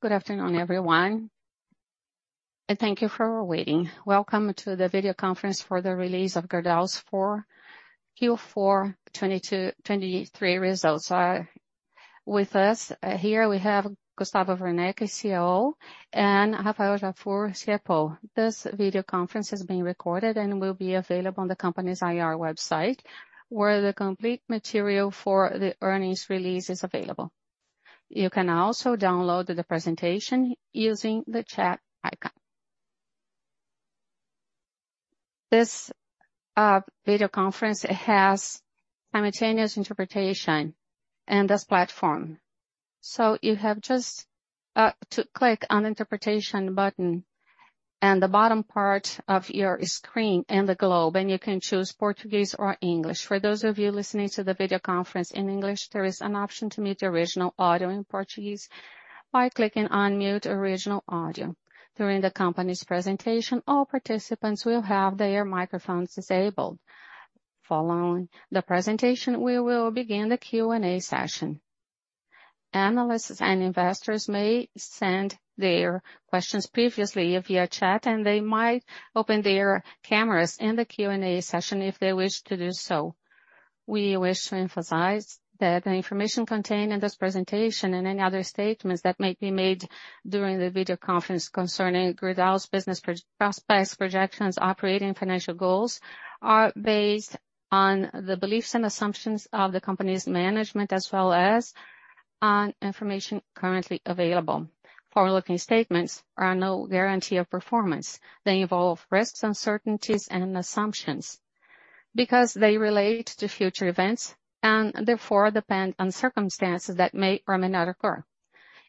Good afternoon, everyone, and thank you for waiting. Welcome to the video conference for the release of Gerdau's for Q4 2023 results. With us here we have Gustavo Werneck, the CEO, and Rafael Japur, CFO. This video conference is being recorded and will be available on the company's IR website, where the complete material for the earnings release is available. You can also download the presentation using the chat icon. This video conference has simultaneous interpretation in this platform. You have just to click on interpretation button in the bottom part of your screen and the globe, and you can choose Portuguese or English. For those of you listening to the video conference in English, there is an option to mute the original audio in Portuguese by clicking on Mute Original Audio. During the company's presentation, all participants will have their microphones disabled. Following the presentation, we will begin the Q&A session. Analysts and investors may send their questions previously via chat. They might open their cameras in the Q&A session if they wish to do so. We wish to emphasize that the information contained in this presentation and any other statements that might be made during the video conference concerning Gerdau's business prospects, projections, operating financial goals are based on the beliefs and assumptions of the company's management as well as on information currently available. Forward-looking statements are no guarantee of performance. They involve risks, uncertainties and assumptions because they relate to future events and therefore depend on circumstances that may or may not occur.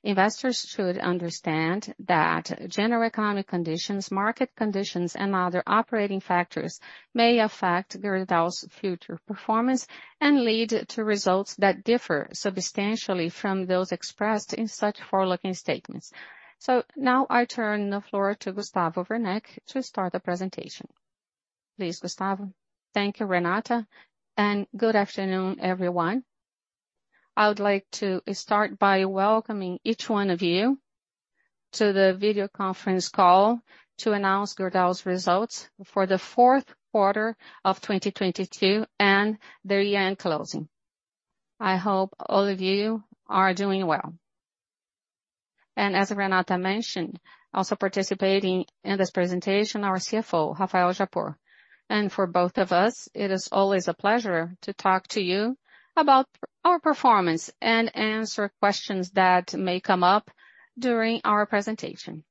Investors should understand that general economic conditions, market conditions and other operating factors may affect Gerdau's future performance and lead to results that differ substantially from those expressed in such forward-looking statements. Now I turn the floor to Gustavo Werneck to start the presentation. Please, Gustavo. Thank you, Renata, and good afternoon, everyone. I would like to start by welcoming each one of you to the video conference call to announce Gerdau's results for the Q4 of 2022 and the year-end closing. I hope all of you are doing well. As Renata mentioned, also participating in this presentation, our CFO, Rafael Japur. For both of us, it is always a pleasure to talk to you about our performance and answer questions that may come up during our presentation.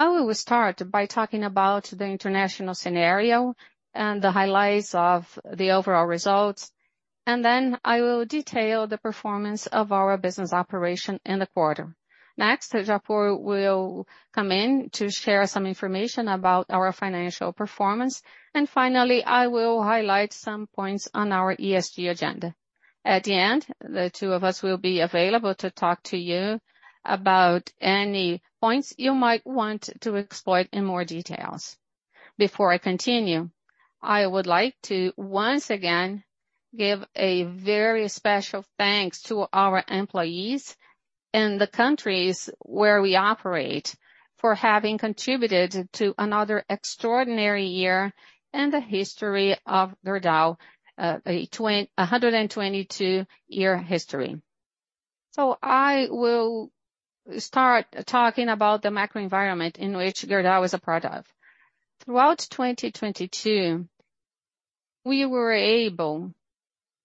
I will start by talking about the international scenario and the highlights of the overall results, and then I will detail the performance of our business operation in the quarter. Next, Japur will come in to share some information about our financial performance. Finally, I will highlight some points on our ESG agenda. At the end, the two of us will be available to talk to you about any points you might want to explore in more details. Before I continue, I would like to once again give a very special thanks to our employees in the countries where we operate for having contributed to another extraordinary year in the history of Gerdau, a 122-year history. I will start talking about the macro environment in which Gerdau is a part of. Throughout 2022, we were able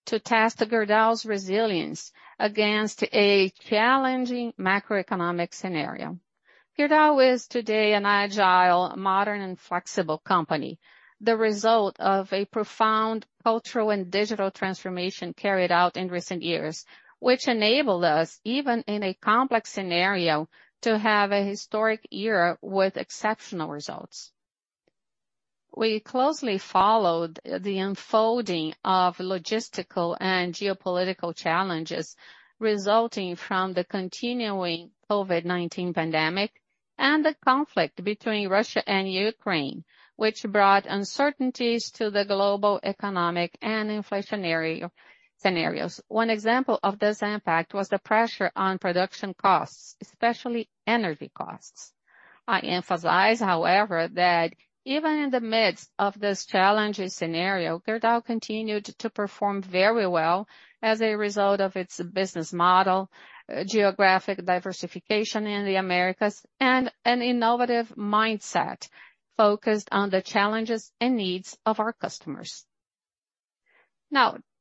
to test Gerdau's resilience against a challenging macroeconomic scenario. Gerdau is today an agile, modern and flexible company, the result of a profound cultural and digital transformation carried out in recent years, which enabled us, even in a complex scenario, to have a historic year with exceptional results. We closely followed the unfolding of logistical and geopolitical challenges resulting from the continuing COVID-19 pandemic and the conflict between Russia and Ukraine, which brought uncertainties to the global economic and inflationary scenarios. One example of this impact was the pressure on production costs, especially energy costs. I emphasize, however, that even in the midst of this challenging scenario, Gerdau continued to perform very well as a result of its business model, geographic diversification in the Americas and an innovative mindset focused on the challenges and needs of our customers.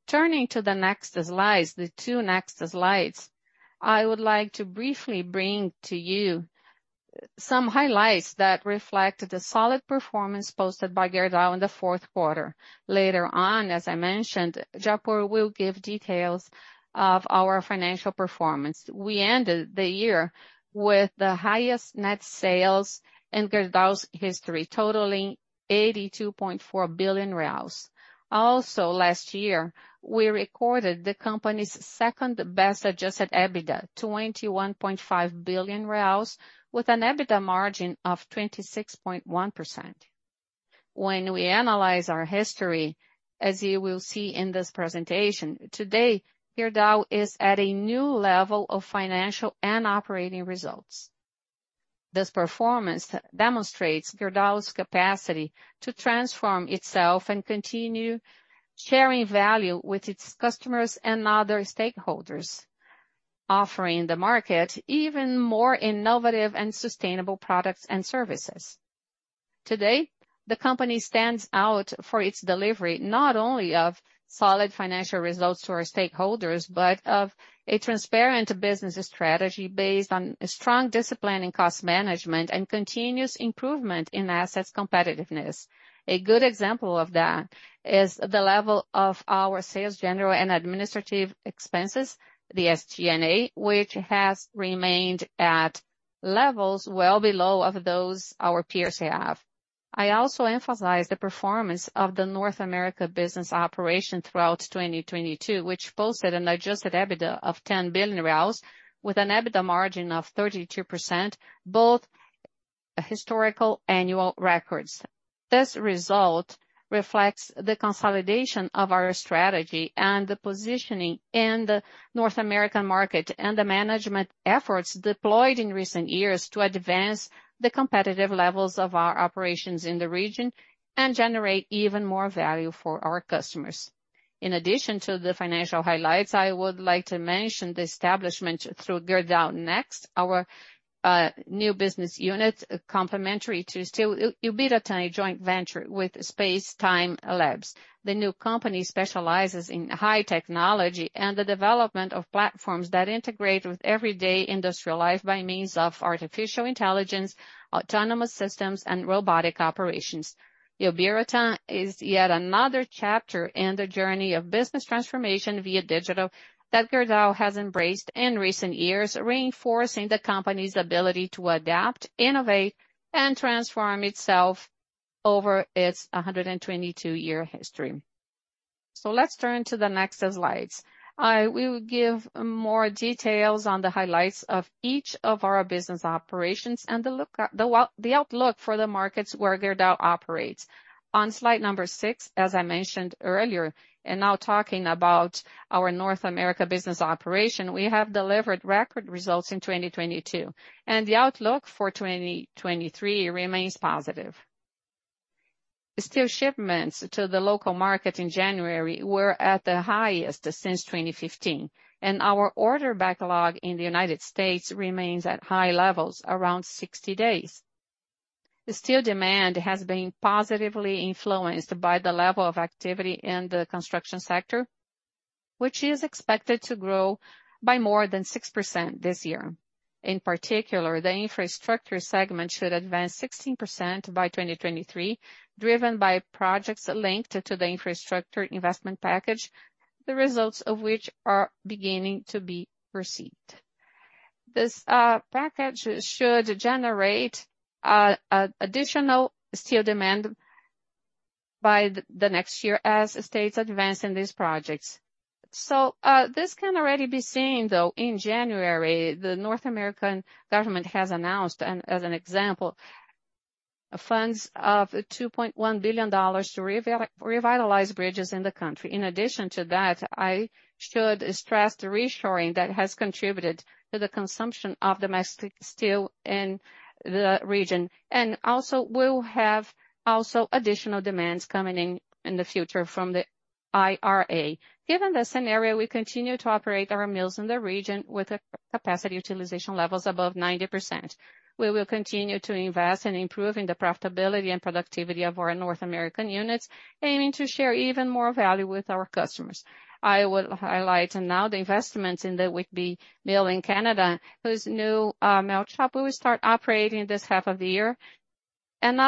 Turning to the next slides, the two next slides, I would like to briefly bring to you some highlights that reflect the solid performance posted by Gerdau in the Q4. Later on, as I mentioned, Japur will give details of our financial performance. We ended the year with the highest net sales in Gerdau's history, totaling 82.4 billion reais. Last year, we recorded the company's second-best adjusted EBITDA, 21.5 billion reais, with an EBITDA margin of 26.1%. When we analyze our history, as you will see in this presentation, today, Gerdau is at a new level of financial and operating results. This performance demonstrates Gerdau's capacity to transform itself and continue sharing value with its customers and other stakeholders, offering the market even more innovative and sustainable products and services. Today, the company stands out for its delivery, not only of solid financial results to our stakeholders, but of a transparent business strategy based on strong discipline and cost management, and continuous improvement in assets competitiveness. A good example of that is the level of our sales general and administrative expenses, the SG&A, which has remained at levels well below of those our peers have. I also emphasize the performance of the North America business operation throughout 2022, which posted an adjusted EBITDA of BRL 10 billion with an EBITDA margin of 32%, both historical annual records. This result reflects the consolidation of our strategy and the positioning in the North American market, the management efforts deployed in recent years to advance the competitive levels of our operations in the region and generate even more value for our customers. In addition to the financial highlights, I would like to mention the establishment through Gerdau Next, our new business unit, complementary to Ubiratã, a joint venture with SpaceTime Labs. The new company specializes in high technology and the development of platforms that integrate with everyday industrial life by means of artificial intelligence, autonomous systems and robotic operations. Ubiratã is yet another chapter in the journey of business transformation via digital that Gerdau has embraced in recent years, reinforcing the company's ability to adapt, innovate and transform itself over its 122-year history. Let's turn to the next slides. We will give more details on the highlights of each of our business operations and the outlook for the markets where Gerdau operates. On slide number six, as I mentioned earlier, and now talking about our North America business operation, we have delivered record results in 2022, and the outlook for 2023 remains positive. Steel shipments to the local market in January were at the highest since 2015, and our order backlog in the United States remains at high levels, around 60 days. Steel demand has been positively influenced by the level of activity in the construction sector, which is expected to grow by more than 6% this year. In particular, the infrastructure segment should advance 16% by 2023, driven by projects linked to the infrastructure investment package, the results of which are beginning to be received. This package should generate additional steel demand by the next year as states advance in these projects. This can already be seen, though, in January, the North American government has announced, and as an example, funds of $2.1 billion to revitalize bridges in the country. In addition to that, I should stress the reshoring that has contributed to the consumption of domestic steel in the region. We'll have also additional demands coming in in the future from the IRA. Given the scenario, we continue to operate our mills in the region with a capacity utilization levels above 90%. We will continue to invest in improving the profitability and productivity of our North American units, aiming to share even more value with our customers. I will highlight now the investments in the Whitby mill in Canada, whose new melt shop will start operating this half of the year. An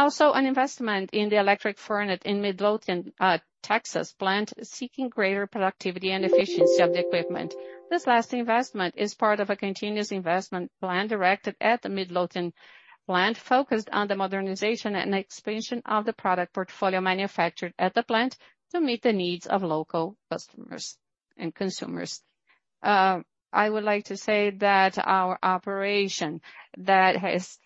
investment in the electric furnace in Midlothian, Texas plant, seeking greater productivity and efficiency of the equipment. This last investment is part of a continuous investment plan directed at the Midlothian plant, focused on the modernization and expansion of the product portfolio manufactured at the plant to meet the needs of local customers and consumers. I would like to say that our operation that has,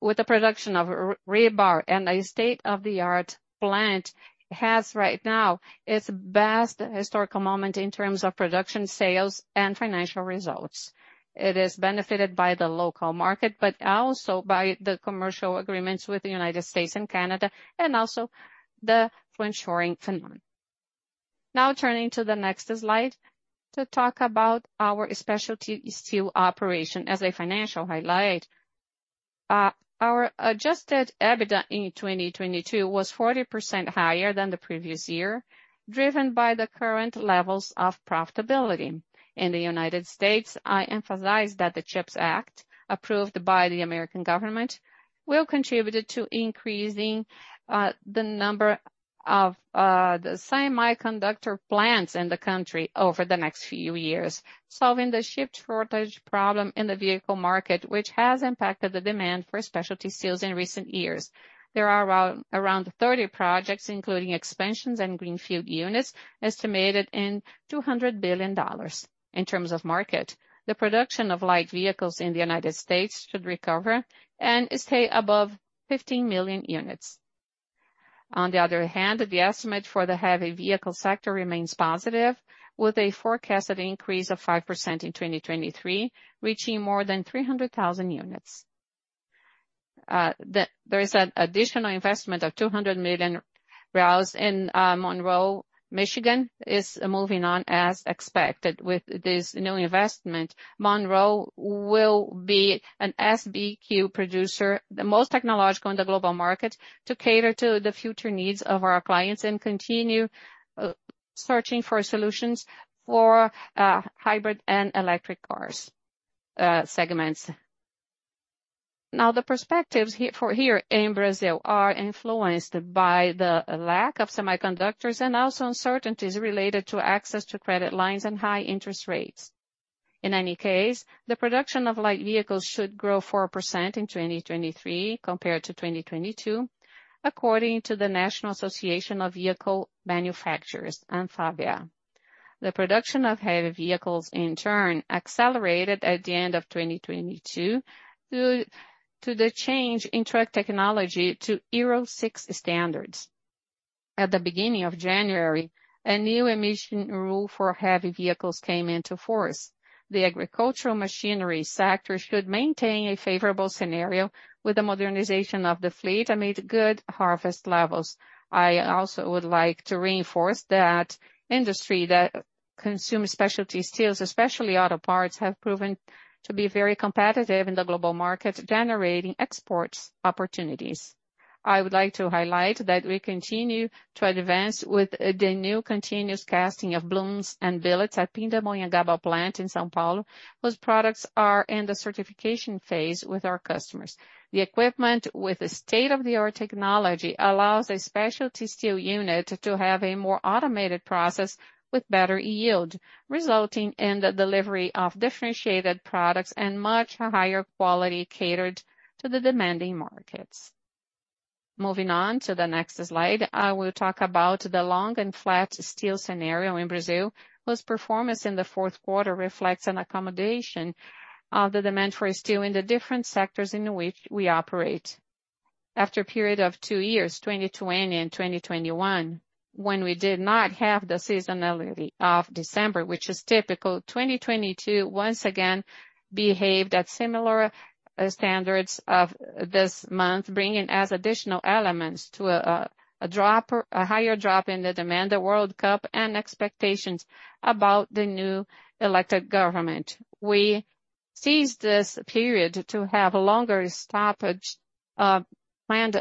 with the production of rebar and a state-of-the-art plant, has right now its best historical moment in terms of production sales and financial results. It is benefited by the local market, but also by the commercial agreements with the United States and Canada, and also the reshoring phenomenon. Now turning to the next slide to talk about our specialty steel operation as a financial highlight. Our adjusted EBITDA in 2022 was 40% higher than the previous year, driven by the current levels of profitability. In the United States, I emphasize that the CHIPS Act, approved by the American government, will contribute to increasing the number of the semiconductor plants in the country over the next few years, solving the chip shortage problem in the vehicle market, which has impacted the demand for specialty steels in recent years. There are around 30 projects, including expansions in greenfield units, estimated in $200 billion. In terms of market, the production of light vehicles in the United States should recover and stay above 15,000,000 units. The estimate for the heavy vehicle sector remains positive, with a forecasted increase of 5% in 2023, reaching more than 300,000 units. There is an additional investment of 200 million reais in Monroe, Michigan, is moving on as expected. With this new investment, Monroe will be an SBQ producer, the most technological in the global market, to cater to the future needs of our clients and continue searching for solutions for hybrid and electric cars segments. The perspectives here, for here in Brazil are influenced by the lack of semiconductors and also uncertainties related to access to credit lines and high interest rates. In any case, the production of light vehicles should grow 4% in 2023 compared to 2022, according to the National Association of Vehicle Manufacturers, ANFAVEA. The production of heavy vehicles, in turn, accelerated at the end of 2022 due to the change in truck technology to Euro VI standards. At the beginning of January, a new emission rule for heavy vehicles came into force. The agricultural machinery sector should maintain a favorable scenario with the modernization of the fleet amid good harvest levels. I also would like to reinforce that industry that consumes specialty steels, especially auto parts, have proven to be very competitive in the global market, generating exports opportunities. I would like to highlight that we continue to advance with the new continuous casting of blooms and billets at Pindamonhangaba plant in São Paulo, whose products are in the certification phase with our customers. The equipment, with state-of-the-art technology, allows a specialty steel unit to have a more automated process with better yield, resulting in the delivery of differentiated products and much higher quality catered to the demanding markets. Moving on to the next slide. I will talk about the long and flat steel scenario in Brazil, whose performance in the fourth quarter reflects an accommodation of the demand for steel in the different sectors in which we operate. After a period of two years, 2020 and 2021, when we did not have the seasonality of December, which is typical, 2022 once again behaved at similar standards of this month, bringing as additional elements to a higher drop in the demand, the World Cup, and expectations about the new elected government. We seized this period to have longer stoppage, planned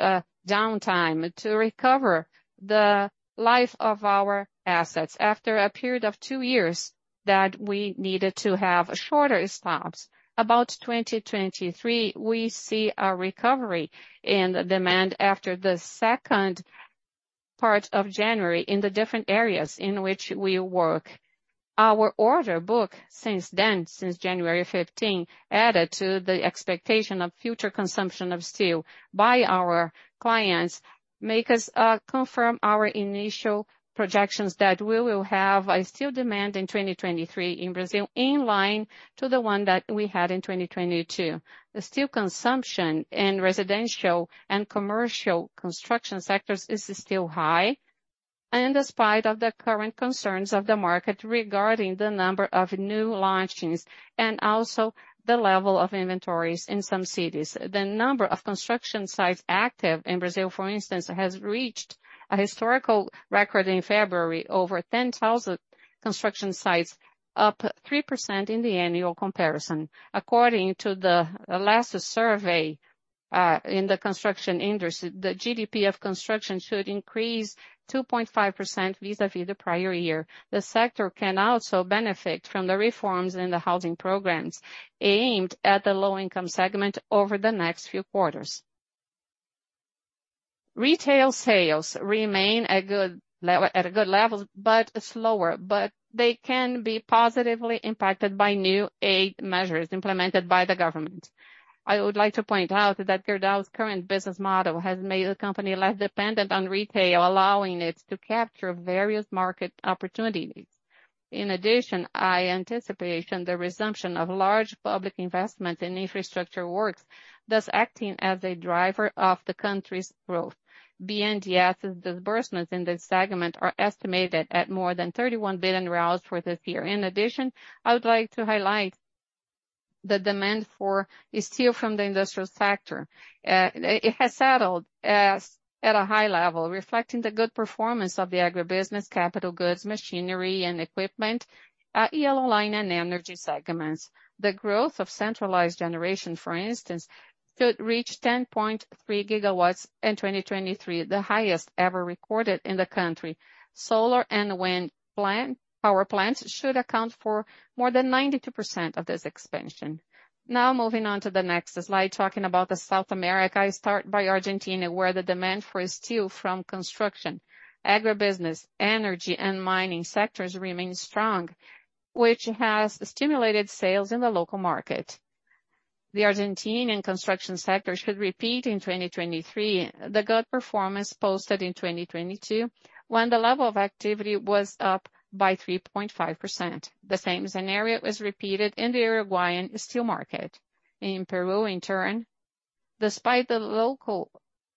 downtime to recover the life of our assets after a period of two years that we needed to have shorter stops. About 2023, we see a recovery in the demand after the second part of January in the different areas in which we work. Our order book since then, since January 15, added to the expectation of future consumption of steel by our clients, make us confirm our initial projections that we will have a steel demand in 2023 in Brazil in line to the one that we had in 2022. The steel consumption in residential and commercial construction sectors is still high, despite of the current concerns of the market regarding the number of new launches and also the level of inventories in some cities. The number of construction sites active in Brazil, for instance, has reached a historical record in February, over 10,000 construction sites, up 3% in the annual comparison. According to the last survey in the construction industry, the GDP of construction should increase 2.5% vis-a-vis the prior year. The sector can also benefit from the reforms in the housing programs aimed at the low income segment over the next few quarters. Retail sales remain at a good level, but slower. They can be positively impacted by new aid measures implemented by the government. I would like to point out that Gerdau's current business model has made the company less dependent on retail, allowing it to capture various market opportunities. I anticipation the resumption of large public investments in infrastructure works, thus acting as a driver of the country's growth. BNDES's disbursements in this segment are estimated at more than 31 billion reais for this year. I would like to highlight the demand for steel from the industrial sector. It has settled at a high level, reflecting the good performance of the agribusiness, capital goods, machinery and equipment, yellow line and energy segments. The growth of centralized generation, for instance, could reach 10.3 GW in 2023, the highest ever recorded in the country. Solar and wind power plants should account for more than 92% of this expansion. Moving on to the next slide, talking about the South America. I start by Argentina, where the demand for steel from construction, agribusiness, energy and mining sectors remains strong, which has stimulated sales in the local market. The Argentine construction sector should repeat in 2023 the good performance posted in 2022, when the level of activity was up by 3.5%. The same scenario was repeated in the Uruguayan steel market. In Peru in turn, despite the local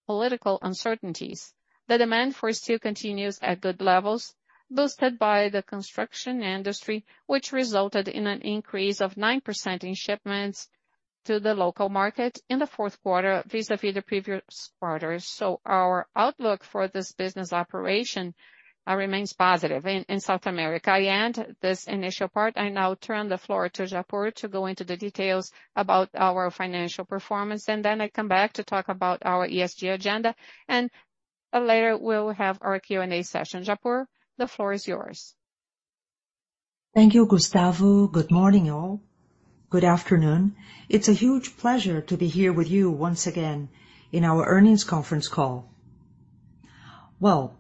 political uncertainties, the demand for steel continues at good levels, boosted by the construction industry, which resulted in an increase of 9% in shipments to the local market in the Q4 vis-à-vis the previous quarter. Our outlook for this business operation remains positive in South America. I end this initial part. I now turn the floor to Japur to go into the details about our financial performance, and then I come back to talk about our ESG agenda. Later we'll have our Q&A session. Japur, the floor is yours. Thank you, Gustavo. Good morning, all. Good afternoon. It's a huge pleasure to be here with you once again in our earnings conference call. Well,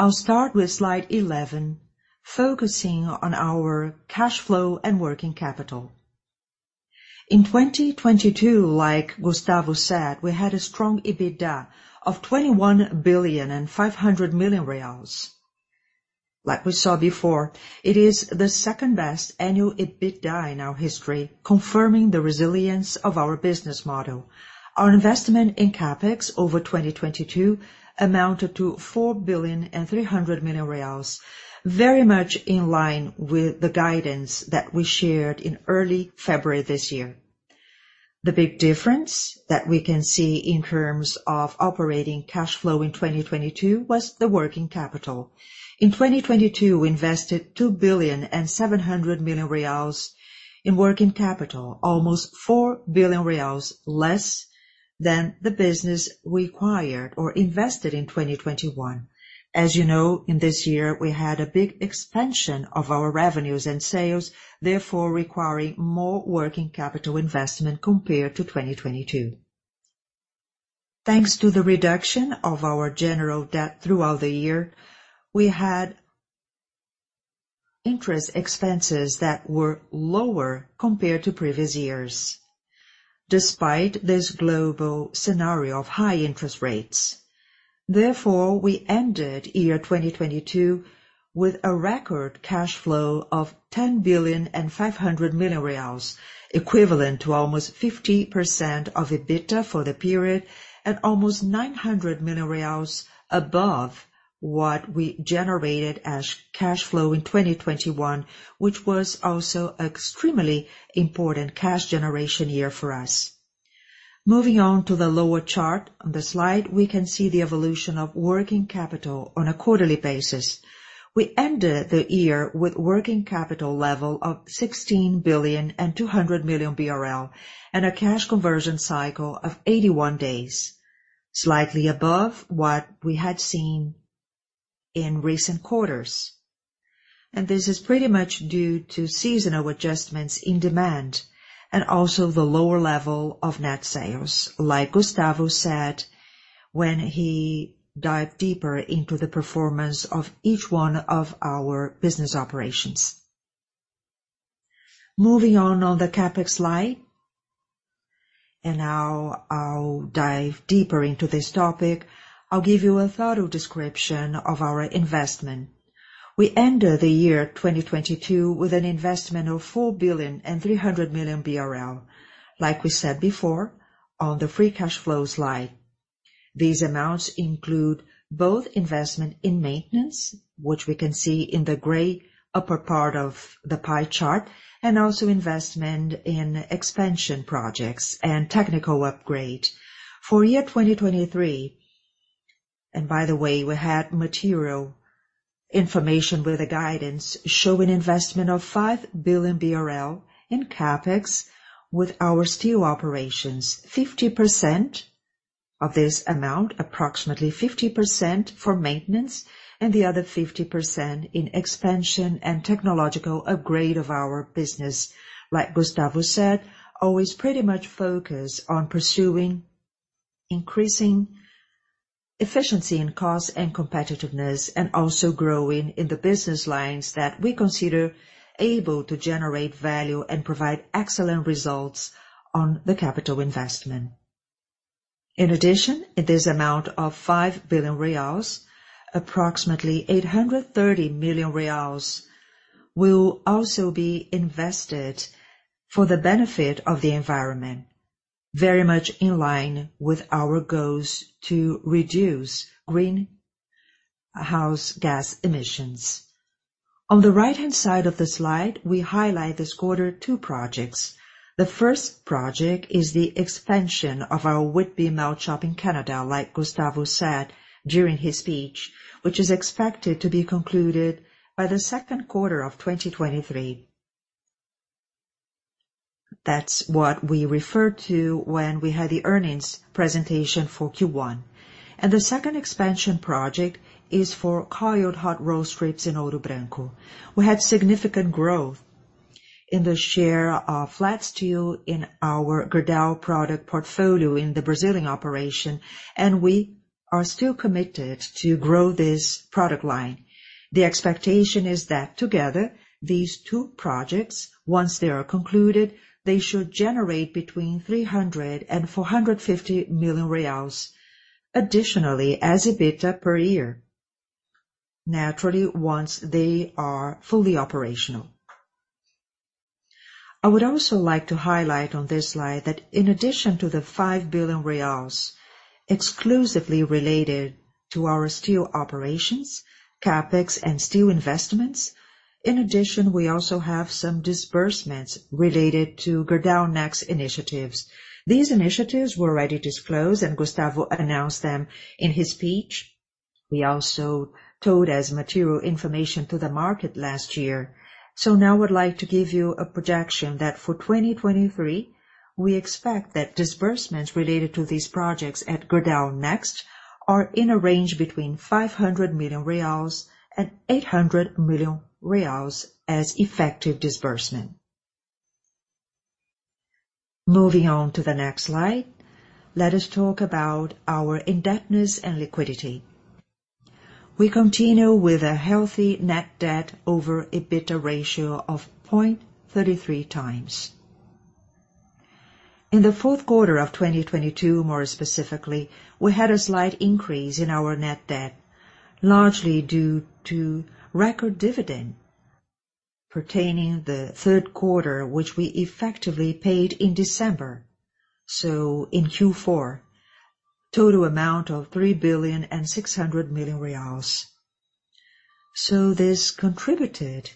I'll start with slide 11, focusing on our cash flow and working capital. In 2022, like Gustavo said, we had a strong EBITDA of 21.5 billion. Like we saw before, it is the second-best annual EBITDA in our history, confirming the resilience of our business model. Our investment in CapEx over 2022 amounted to 4.3 billion, very much in line with the guidance that we shared in early February this year. The big difference that we can see in terms of operating cash flow in 2022 was the working capital. In 2022, we invested 2.7 billion in working capital, almost 4 billion reais less than the business required or invested in 2021. As you know, in this year, we had a big expansion of our revenues and sales, therefore requiring more working capital investment compared to 2022. Thanks to the reduction of our general debt throughout the year, we had interest expenses that were lower compared to previous years, despite this global scenario of high interest rates. We ended year 2022 with a record cash flow of 10.5 billion, equivalent to almost 50% of EBITDA for the period and almost 900 million reais above what we generated as cash flow in 2021, which was also extremely important cash generation year for us. Moving on to the lower chart. On the slide, we can see the evolution of working capital on a quarterly basis. We ended the year with working capital level of 16.2 billion, and a cash conversion cycle of 81 days, slightly above what we had seen in recent quarters. This is pretty much due to seasonal adjustments in demand and also the lower level of net sales, like Gustavo said when he dived deeper into the performance of each one of our business operations. Moving on on the CapEx slide. Now I'll dive deeper into this topic. I'll give you a thorough description of our investment. We ended the year 2022 with an investment of 4.3 billion, like we said before on the free cash flow slide. These amounts include both investment in maintenance, which we can see in the gray upper part of the pie chart, and also investment in expansion projects and technical upgrade. For year 2023, and by the way, we had material information with the guidance, show an investment of 5 billion BRL in CapEx with our steel operations. 50% of this amount, approximately 50% for maintenance, and the other 50% in expansion and technological upgrade of our business. Like Gustavo said, always pretty much focused on pursuing, increasing efficiency in cost and competitiveness, and also growing in the business lines that we consider able to generate value and provide excellent results on the capital investment. In this amount of 5 billion reais, approximately 830 million reais will also be invested for the benefit of the environment, very much in line with our goals to reduce greenhouse gas emissions. On the right-hand side of the slide, we highlight this quarter two projects. The first project is the expansion of our Whitby melt shop in Canada, like Gustavo said during his speech, which is expected to be concluded by Q2 2023. That's what we referred to when we had the earnings presentation for Q1. The second expansion project is for coiled hot roll strips in Ouro Branco. We had significant growth in the share of flat steel in our Gerdau product portfolio in the Brazilian operation, and we are still committed to grow this product line. The expectation is that together, these two projects, once they are concluded, they should generate between 300 million-450 million reais additionally as EBITDA per year. Naturally, once they are fully operational. I would also like to highlight on this slide that in addition to the 5 billion reais exclusively related to our steel operations, CapEx and steel investments, in addition, we also have some disbursements related to Gerdau Next initiatives. These initiatives were already disclosed and Gustavo announced them in his speech. We also told as material information to the market last year. Now I would like to give you a projection that for 2023, we expect that disbursements related to these projects at Gerdau Next are in a range between 500 million-800 million reais as effective disbursement. Moving on to the next slide, let us talk about our indebtedness and liquidity. We continue with a healthy net debt over EBITDA ratio of 0.33x. In the Q4 of 2022, more specifically, we had a slight increase in our net debt, largely due to record dividend pertaining the Q3, which we effectively paid in December. In Q4, total amount of 3.6 billion. This contributed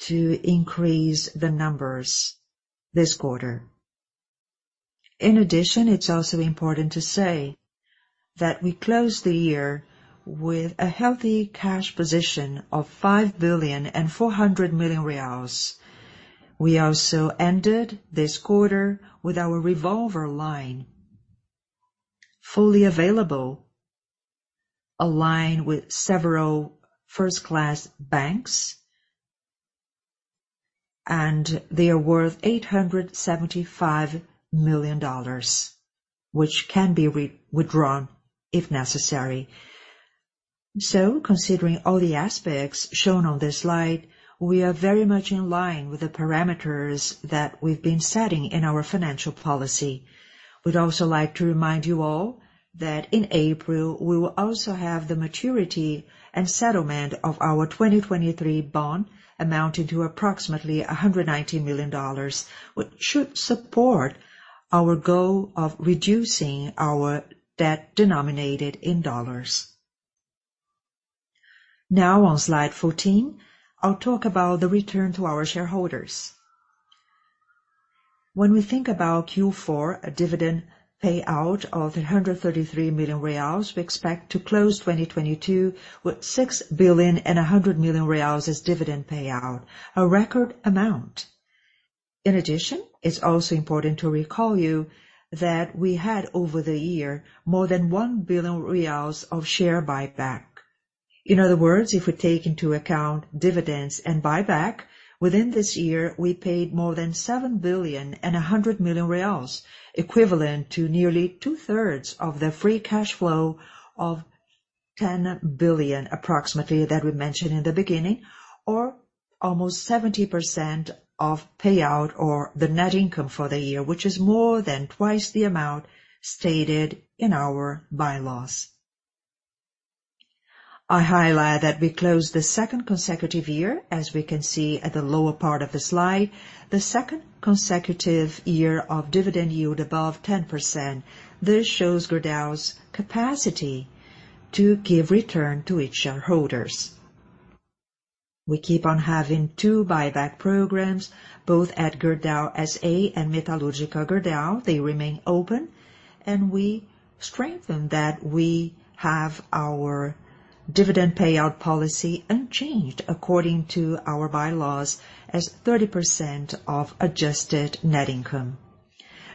to increase the numbers this quarter. In addition, it's also important to say that we closed the year with a healthy cash position of 5.4 billion. We also ended this quarter with our revolver line fully available, aligned with several first-class banks, and they are worth $875 million, which can be re-withdrawn if necessary. Considering all the aspects shown on this slide, we are very much in line with the parameters that we've been setting in our financial policy. We'd also like to remind you all that in April, we will also have the maturity and settlement of our 2023 bond amounting to approximately $190 million, which should support our goal of reducing our debt denominated in dollars. On slide 14, I'll talk about the return to our shareholders. When we think about Q4, a dividend payout of 333 million reais, we expect to close 2022 with 6.1 billion as dividend payout, a record amount. It's also important to recall you that we had over the year more than 1 billion reais of share buyback. In other words, if we take into account dividends and buyback, within this year, we paid more than 7.1 billion, equivalent to nearly 2/3 of the free cash flow of 10 billion approximately that we mentioned in the beginning, or almost 70% of payout or the net income for the year, which is more than twice the amount stated in our bylaws. I highlight that we closed the second consecutive year, as we can see at the lower part of the slide, the second consecutive year of dividend yield above 10%. This shows Gerdau's capacity to give return to its shareholders. We keep on having two buyback programs, both at Gerdau S.A. and Metalúrgica Gerdau. They remain open. We strengthen that we have our dividend payout policy unchanged according to our bylaws as 30% of adjusted net income.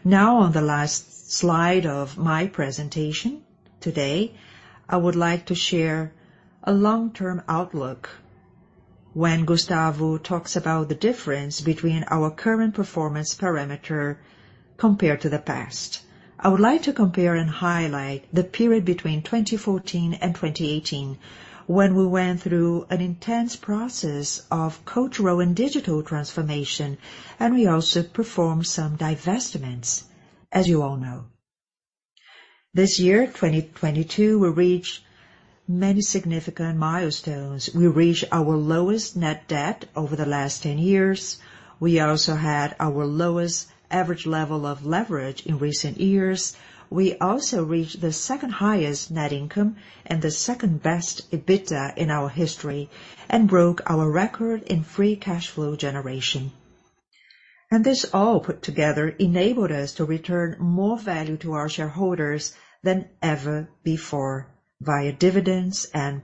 On the last slide of my presentation today, I would like to share a long-term outlook when Gustavo talks about the difference between our current performance parameter compared to the past. I would like to compare and highlight the period between 2014 and 2018, when we went through an intense process of cultural and digital transformation, and we also performed some divestments, as you all know. This year, 2022, we reached many significant milestones. We reached our lowest net debt over the last 10 years. We also had our lowest average level of leverage in recent years. We also reached the second-highest net income and the second-best EBITDA in our history and broke our record in free cash flow generation. This all put together enabled us to return more value to our shareholders than ever before via dividends and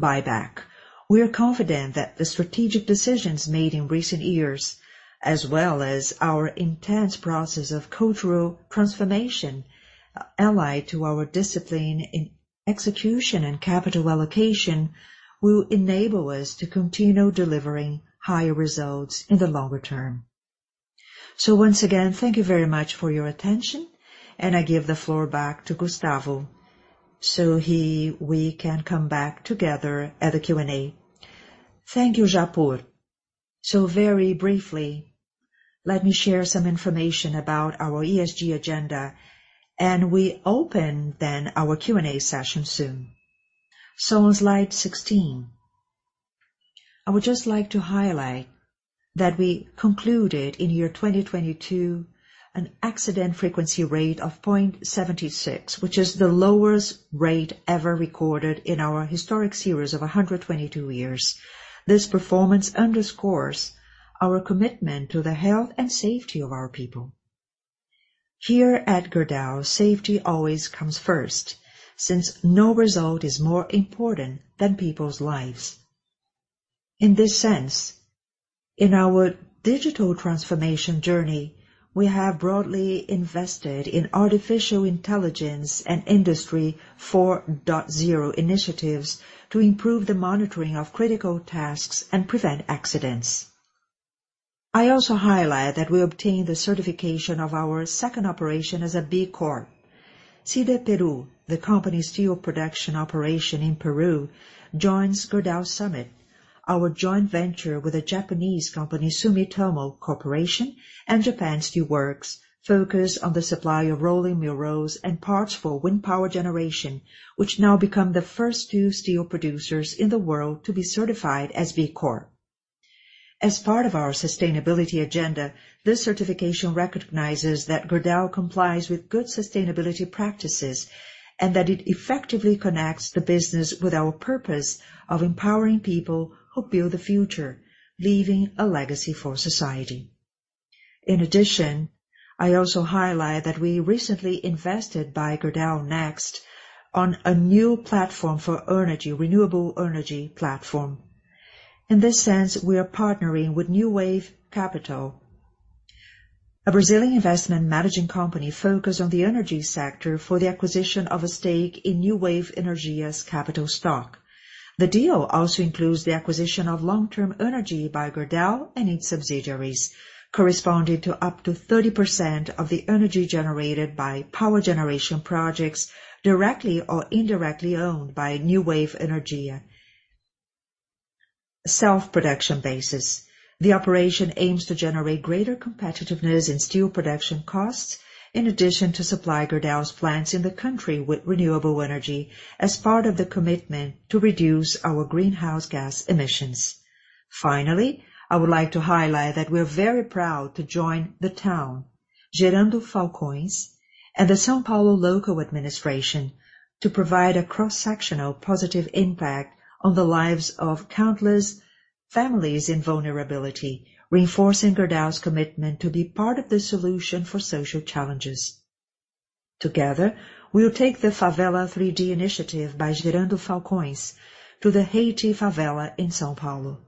buyback. We are confident that the strategic decisions made in recent years, as well as our intense process of cultural transformation, allied to our discipline in execution and capital allocation, will enable us to continue delivering higher results in the longer term. Once again, thank you very much for your attention, and I give the floor back to Gustavo so we can come back together at the Q&A. Thank you, Japur. Very briefly, let me share some information about our ESG agenda, and we open then our Q&A session soon. On slide 16, I would just like to highlight that we concluded in year 2022 an accident frequency rate of 0.76, which is the lowest rate ever recorded in our historic series of 122 years. This performance underscores our commitment to the health and safety of our people. Here at Gerdau, safety always comes first since no result is more important than people's lives. In this sense, in our digital transformation journey, we have broadly invested in artificial intelligence and Industry 4.0 initiatives to improve the monitoring of critical tasks and prevent accidents. I also highlight that we obtained the certification of our second operation as a B Corp. Siderperu, the company's steel production operation in Peru, joins Gerdau Summit, our joint venture with a Japanese company, Sumitomo Corporation, and Japan Steel Works, focused on the supply of rolling mill rolls and parts for wind power generation, which now become the first two steel producers in the world to be certified as B Corp. As part of our sustainability agenda, this certification recognizes that Gerdau complies with good sustainability practices and that it effectively connects the business with our purpose of empowering people who build the future, leaving a legacy for society. I also highlight that we recently invested by Gerdau Next on a new platform for energy, renewable energy platform. In this sense, we are partnering with Newave Capital, a Brazilian investment managing company focused on the energy sector for the acquisition of a stake in Newave Energia's capital stock. The deal also includes the acquisition of long-term energy by Gerdau and its subsidiaries, corresponding to up to 30% of the energy generated by power generation projects directly or indirectly owned by Newave Energia self-production basis. The operation aims to generate greater competitiveness in steel production costs, in addition to supply Gerdau's plants in the country with renewable energy as part of the commitment to reduce our greenhouse gas emissions. Finally, I would like to highlight that we're very proud to join the town, Gerando Falcões, and the São Paulo local administration to provide a cross-sectional positive impact on the lives of countless families in vulnerability, reinforcing Gerdau's commitment to be part of the solution for social challenges. Together, we'll take the Favela 3D initiative by Gerando Falcões to the Haiti favela in São Paulo.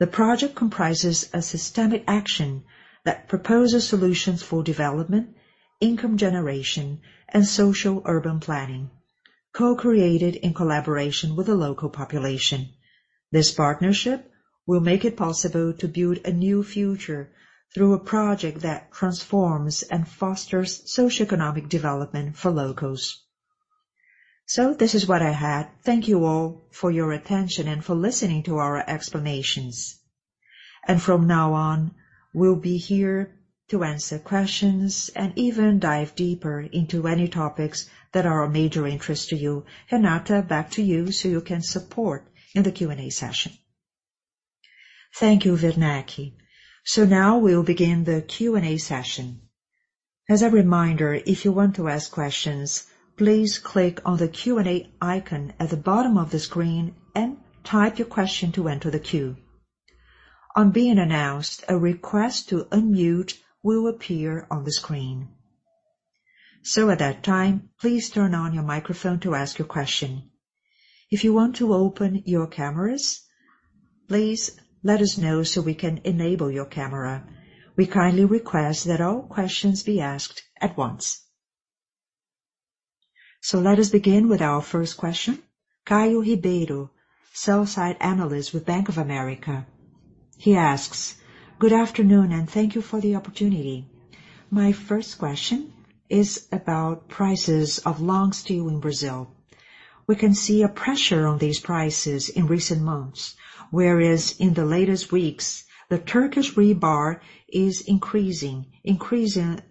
The project comprises a systemic action that proposes solutions for development, income generation, and social urban planning, co-created in collaboration with the local population. This partnership will make it possible to build a new future through a project that transforms and fosters socioeconomic development for locals. This is what I had. Thank you all for your attention and for listening to our explanations. From now on, we'll be here to answer questions and even dive deeper into any topics that are of major interest to you. Renata, back to you can support in the Q&A session. Thank you, Werneck. Now we'll begin the Q&A session. As a reminder, if you want to ask questions, please click on the Q&A icon at the bottom of the screen and type your question to enter the queue. On being announced, a request to unmute will appear on the screen. At that time, please turn on your microphone to ask your question. If you want to open your cameras, please let us know so we can enable your camera. We kindly request that all questions be asked at once. Let us begin with our first question. Caio Ribeiro, sell-side analyst with Bank of America. He asks, good afternoon, and thank you for the opportunity. My first question is about prices of long steel in Brazil. We can see a pressure on these prices in recent months, whereas in the latest weeks, the Turkish rebar is increasing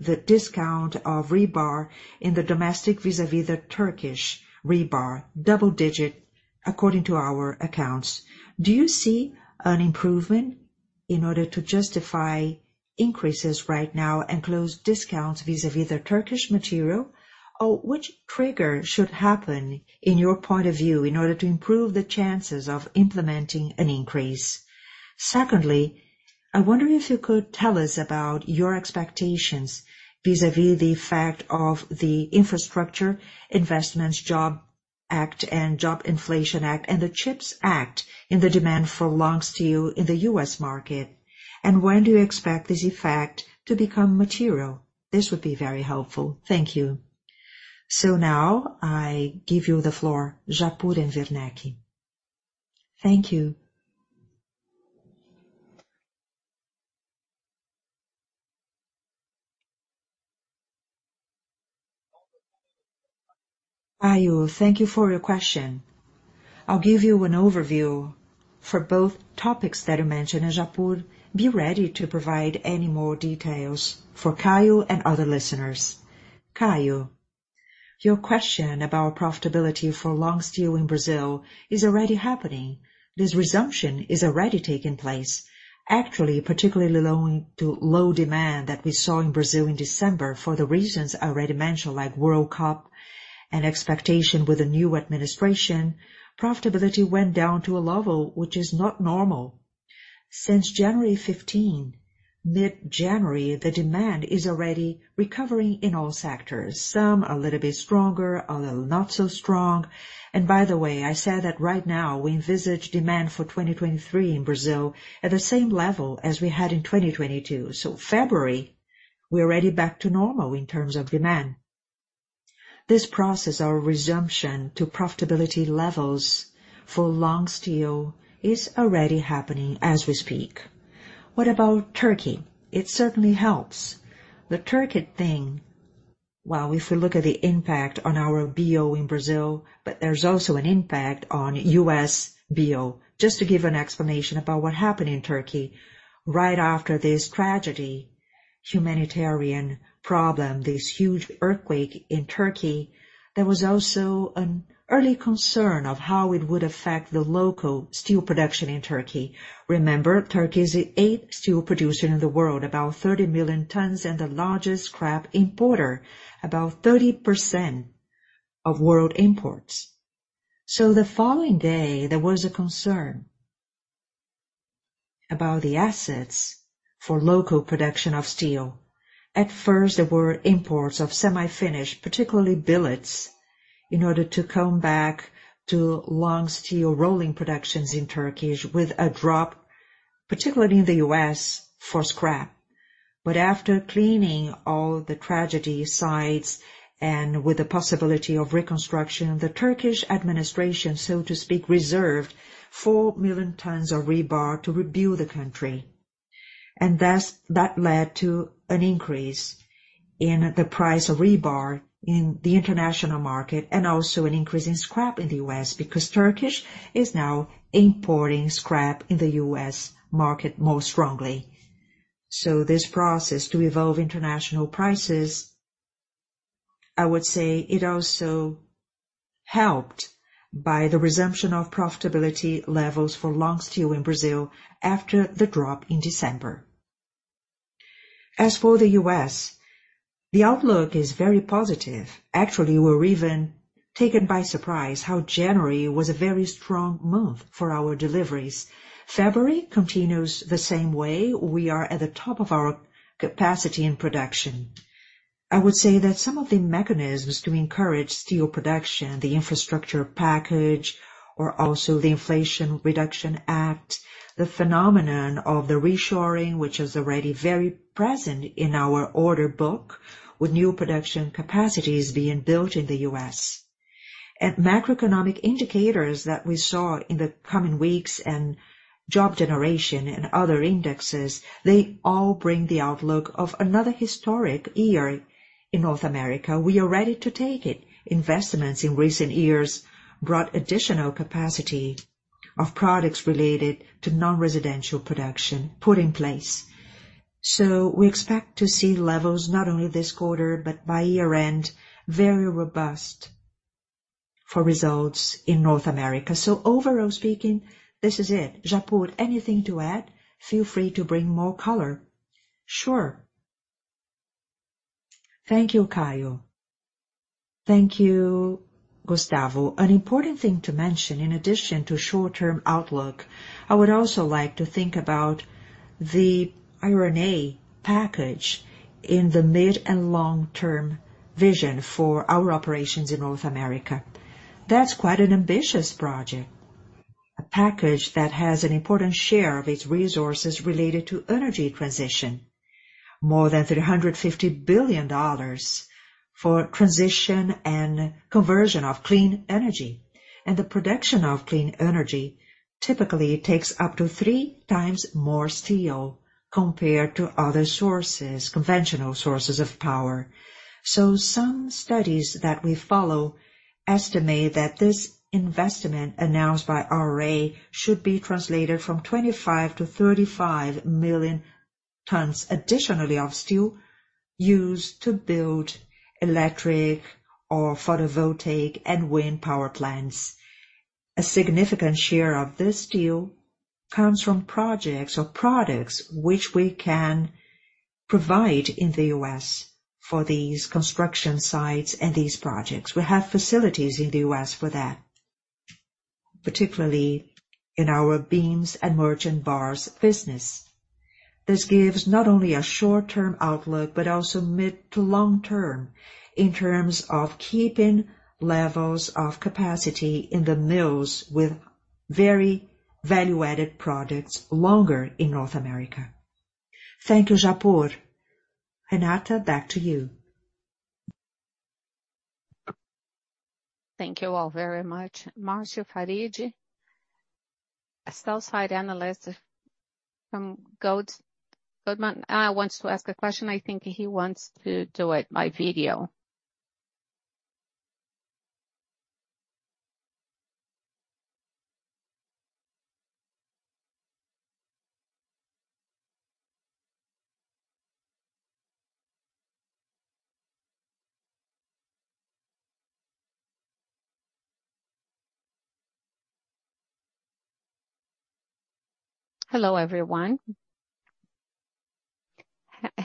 the discount of rebar in the domestic vis-a-vis the Turkish rebar, double digit, according to our accounts. Do you see an improvement in order to justify increases right now and close discounts vis-a-vis the Turkish material? Or which trigger should happen in your point of view in order to improve the chances of implementing an increase? Secondly, I wonder if you could tell us about your expectations vis-a-vis the fact of the Infrastructure Investment and Jobs Act and Inflation Reduction Act and the CHIPS Act in the demand for long steel in the U.S. market. When do you expect this effect to become material? This would be very helpful. Thank you. Now I give you the floor, Japur and Werneck. Thank you. Caio, thank you for your question. I'll give you an overview for both topics that you mentioned, and Japur be ready to provide any more details for Caio and other listeners. Caio, your question about profitability for long steel in Brazil is already happening. This resumption is already taking place. Actually, particularly owing to low demand that we saw in Brazil in December, for the reasons I already mentioned, like World Cup and expectation with the new administration, profitability went down to a level which is not normal. Since January 15, mid-January, the demand is already recovering in all sectors. Some a little bit stronger, other not so strong. By the way, I said that right now we envisage demand for 2023 in Brazil at the same level as we had in 2022. February, we're already back to normal in terms of demand. This process or resumption to profitability levels for long steel is already happening as we speak. What about Turkey? It certainly helps. The Turkey thing, well, if we look at the impact on our BO in Brazil, but there's also an impact on U.S. BO. Just to give an explanation about what happened in Turkey. Right after this tragedy, humanitarian problem, this huge earthquake in Turkey, there was also an early concern of how it would affect the local steel production in Turkey. Remember, Turkey is the eighth steel producer in the world, about 30,000,000 tons and the largest scrap importer, about 30% of world imports. The following day, there was a concern about the assets for local production of steel. At first, there were imports of semi-finished, particularly billets, in order to come back to long steel rolling productions in Turkish with a drop, particularly in the U.S., for scrap. After cleaning all the tragedy sites and with the possibility of reconstruction, the Turkish administration, so to speak, reserved 4,000,000 tons of rebar to rebuild the country. That led to an increase in the price of rebar in the international market and also an increase in scrap in the U.S. because Turkish is now importing scrap in the U.S. market more strongly. This process to evolve international prices, I would say it also helped by the resumption of profitability levels for long steel in Brazil after the drop in December. The U.S., the outlook is very positive. Actually, we're even taken by surprise how January was a very strong month for our deliveries. February continues the same way. We are at the top of our capacity and production. I would say that some of the mechanisms to encourage steel production, the infrastructure package or also the Inflation Reduction Act, the phenomenon of the reshoring, which is already very present in our order book, with new production capacities being built in the U.S. Macroeconomic indicators that we saw in the coming weeks and job generation and other indexes, they all bring the outlook of another historic year in North America. We are ready to take it. Investments in recent years brought additional capacity of products related to non-residential production put in place. We expect to see levels not only this quarter, but by year-end, very robust for results in North America. Overall speaking, this is it. Japur, anything to add? Feel free to bring more color. Sure. Thank you, Caio. Thank you, Gustavo. An important thing to mention in addition to short-term outlook, I would also like to think about the IRA package in the mid and long-term vision for our operations in North America. That's quite an ambitious project. A package that has an important share of its resources related to energy transition. More than $350 billion for transition and conversion of clean energy. The production of clean energy typically takes up to 3x more steel compared to other sources, conventional sources of power. Some studies that we follow estimate that this investment announced by IRA should be translated from 25,000,000-35,000,000 tons additionally of steel used to build electric or photovoltaic and wind power plants. A significant share of this steel comes from projects or products which we can provide in the U.S. for these construction sites and these projects. We have facilities in the U.S. for that, particularly in our beams and merchant bars business. This gives not only a short-term outlook, but also mid to long-term in terms of keeping levels of capacity in the mills with very value-added products longer in North America. Thank you, Japur. Renata, back to you. Thank you all very much. Marcio Farid. A sell-side analyst from Goldman Sachs wants to ask a question. I think he wants to do it by video. Hello, everyone.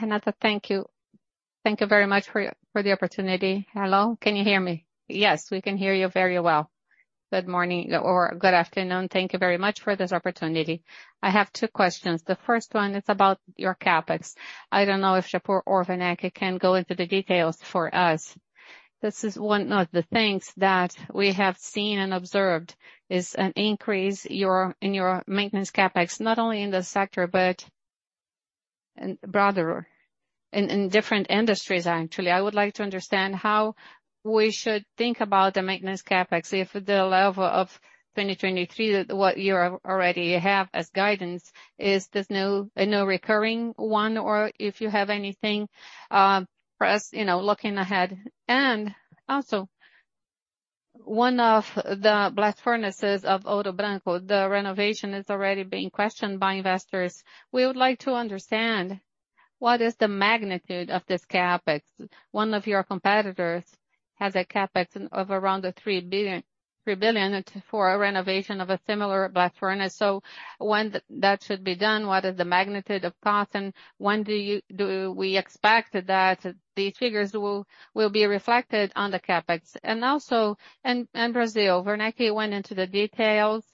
Renata, thank you. Thank you very much for the opportunity. Hello, can you hear me? Yes, we can hear you very well. Good morning, or good afternoon. Thank you very much for this opportunity. I have two questions. The first one is about your CapEx. I don't know if Japur or Werneck can go into the details for us. This is one of the things that we have seen and observed, is an increase in your maintenance CapEx, not only in this sector, but in broader, in different industries, actually. I would like to understand how we should think about the maintenance CapEx if the level of 2023, what you already have as guidance, is this no, a no recurring one, or if you have anything, for us, you know, looking ahead. One of the blast furnaces of Ouro Branco, the renovation is already being questioned by investors. We would like to understand what is the magnitude of this CapEx. One of your competitors has a CapEx of around 3 billion for a renovation of a similar blast furnace. When that should be done, what is the magnitude of cost, and when do we expect that these figures will be reflected on the CapEx? In Brazil, Werneck went into the details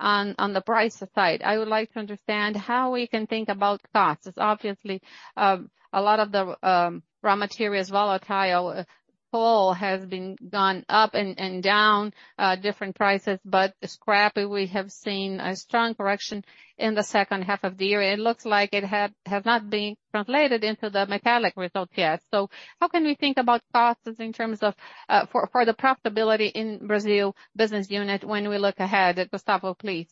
on the price aside. I would like to understand how we can think about costs. It's obviously a lot of the raw material is volatile. Coal has been gone up and down, different prices, but scrap, we have seen a strong correction in the second half of the year. It looks like it had, have not been translated into the metallic result yet. How can we think about costs in terms of for the profitability in Brazil business unit when we look ahead, Gustavo, please?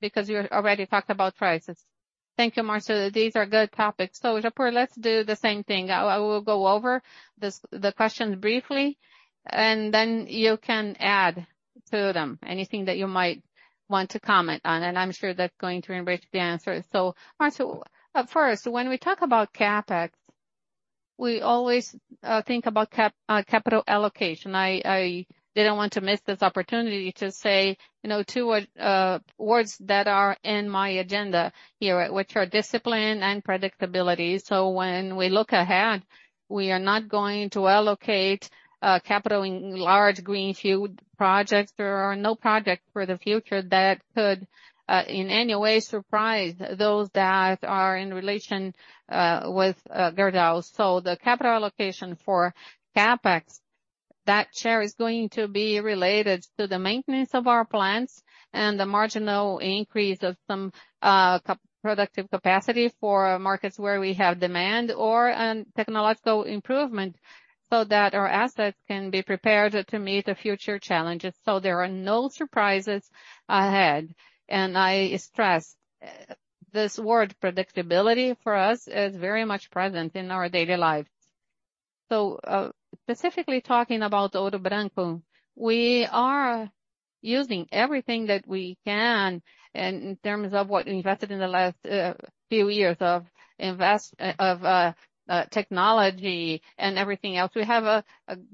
You already talked about prices. Thank you, Marcio. These are good topics. Japur, let's do the same thing. I will go over this, the question briefly, and then you can add to them anything that you might want to comment on. I'm sure that's going to enrich the answer. Marcio, at first, when we talk about CapEx, we always think about capital allocation. I didn't want to miss this opportunity to say, you know, two words that are in my agenda here, which are discipline and predictability. When we look ahead, we are not going to allocate capital in large green field projects. There are no project for the future that could in any way surprise those that are in relation with Gerdau. The capital allocation for CapEx, that share is going to be related to the maintenance of our plants and the marginal increase of some productive capacity for markets where we have demand or an technological improvement, so that our assets can be prepared to meet the future challenges. There are no surprises ahead. I stress this word predictability for us is very much present in our daily lives. Specifically talking about Ouro Branco, we are using everything that we can in terms of what we invested in the last few years of technology and everything else. We have a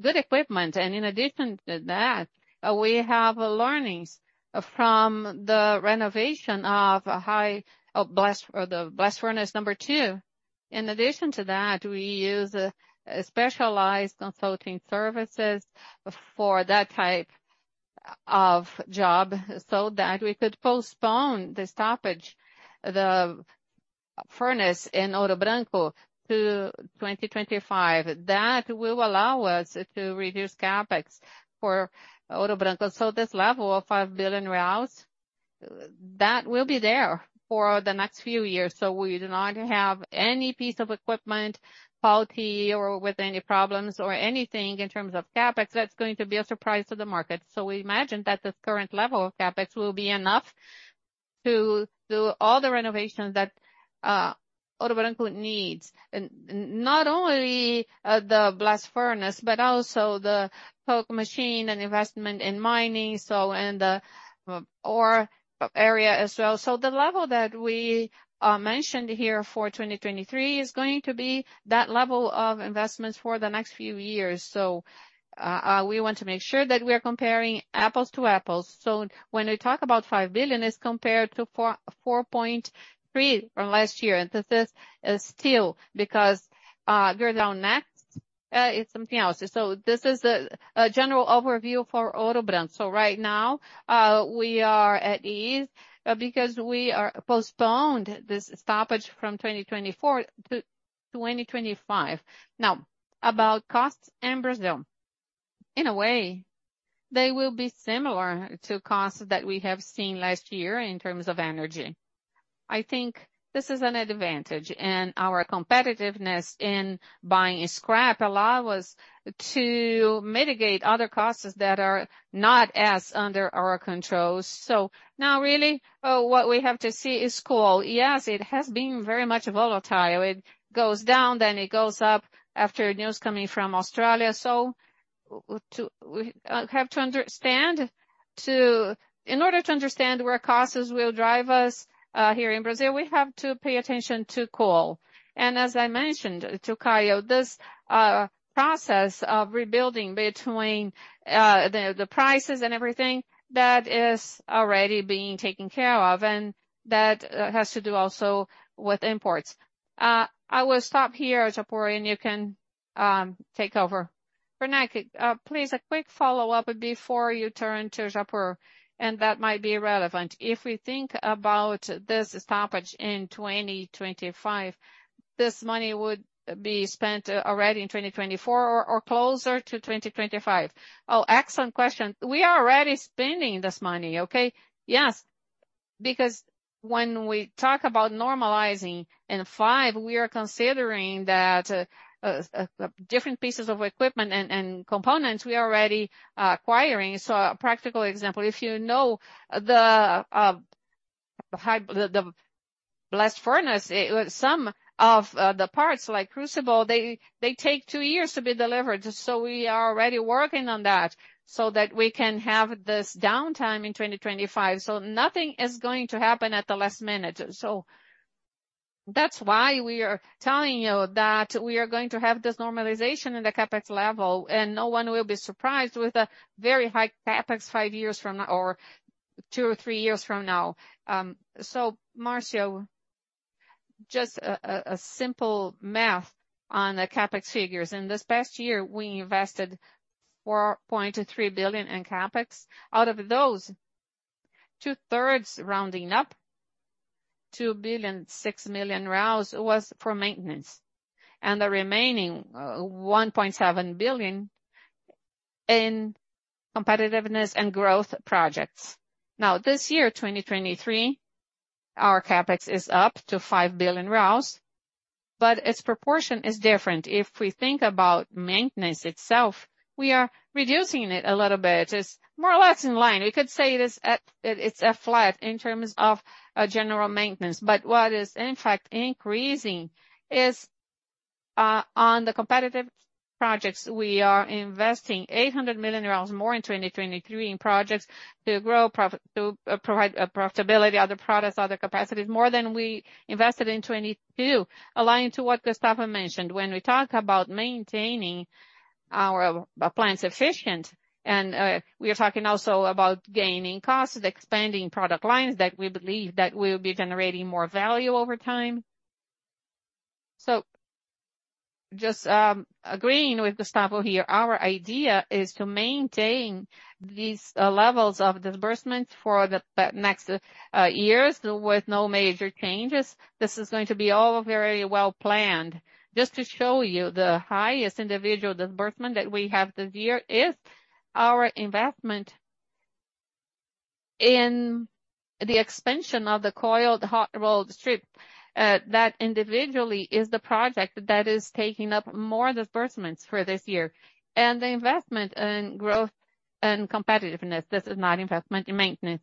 good equipment, and in addition to that, we have learnings from the renovation of a high blast or the blast furnace number two. In addition to that, we use specialized consulting services for that type of job so that we could postpone the stoppage, the furnace in Ouro Branco to 2025. That will allow us to reduce CapEx for Ouro Branco. This level of 5 billion reais, that will be there for the next few years. We do not have any piece of equipment, quality or with any problems or anything in terms of CapEx that's going to be a surprise to the market. We imagine that this current level of CapEx will be enough to do all the renovations that Ouro Branco needs. Not only the blast furnace, but also the coke machine and investment in mining, and the ore area as well. The level that we mentioned here for 2023 is going to be that level of investments for the next few years. We want to make sure that we are comparing apples to apples. When we talk about 5 billion, it's compared to 4.3 billion from last year. This is still because Gerdau Next is something else. This is a general overview for Ouro Branco. Right now, we are at ease because we are postponed this stoppage from 2024 to 2025. About costs in Brazil. In a way, they will be similar to costs that we have seen last year in terms of energy. I think this is an advantage. Our competitiveness in buying scrap allow us to mitigate other costs that are not as under our control. Now really, what we have to see is coal. Yes, it has been very much volatile. It goes down, then it goes up after news coming from Australia. We have to understand in order to understand where costs will drive us here in Brazil, we have to pay attention to coal. As I mentioned to Caio, this process of rebuilding between the prices and everything, that is already being taken care of, and that has to do also with imports. I will stop here, Japur, and you can take over. Renata, Please, a quick follow-up before you turn to Japur, and that might be relevant. If we think about this stoppage in 2025, this money would be spent already in 2024 or closer to 2025? Oh, excellent question. We are already spending this money. Okay? Yes. When we talk about normalizing in five, we are considering that different pieces of equipment and components we are already acquiring. A practical example, if you know the blast furnace, some of the parts like crucible, they take two years to be delivered. We are already working on that so that we can have this downtime in 2025. Nothing is going to happen at the last minute. That's why we are telling you that we are going to have this normalization in the CapEx level, and no one will be surprised with a very high CapEx two or three years from now. Marcio, just a simple math on the CapEx figures. In this past year, we invested 4.3 billion in CapEx. Out of those, 2/3, rounding up, 2.006 billion was for maintenance. The remaining, 1.7 billion in competitiveness and growth projects. This year, 2023, our CapEx is up to 5 billion, but its proportion is different. If we think about maintenance itself, we are reducing it a little bit. It's more or less in line. We could say it's a flat in terms of general maintenance. What is in fact increasing is on the competitive projects. We are investing BRL 800 million more in 2023 in projects to provide profitability, other products, other capacities, more than we invested in 2022. Aligned to what Gustavo mentioned, when we talk about maintaining our plants efficient, we are talking also about gaining costs, expanding product lines that we believe that will be generating more value over time. Just agreeing with Gustavo here, our idea is to maintain these levels of disbursements for the next years with no major changes. This is going to be all very well-planned. Just to show you the highest individual disbursement that we have this year is our investment in the expansion of the coiled hot-rolled strip. That individually is the project that is taking up more disbursements for this year. The investment in growth and competitiveness. This is not investment in maintenance.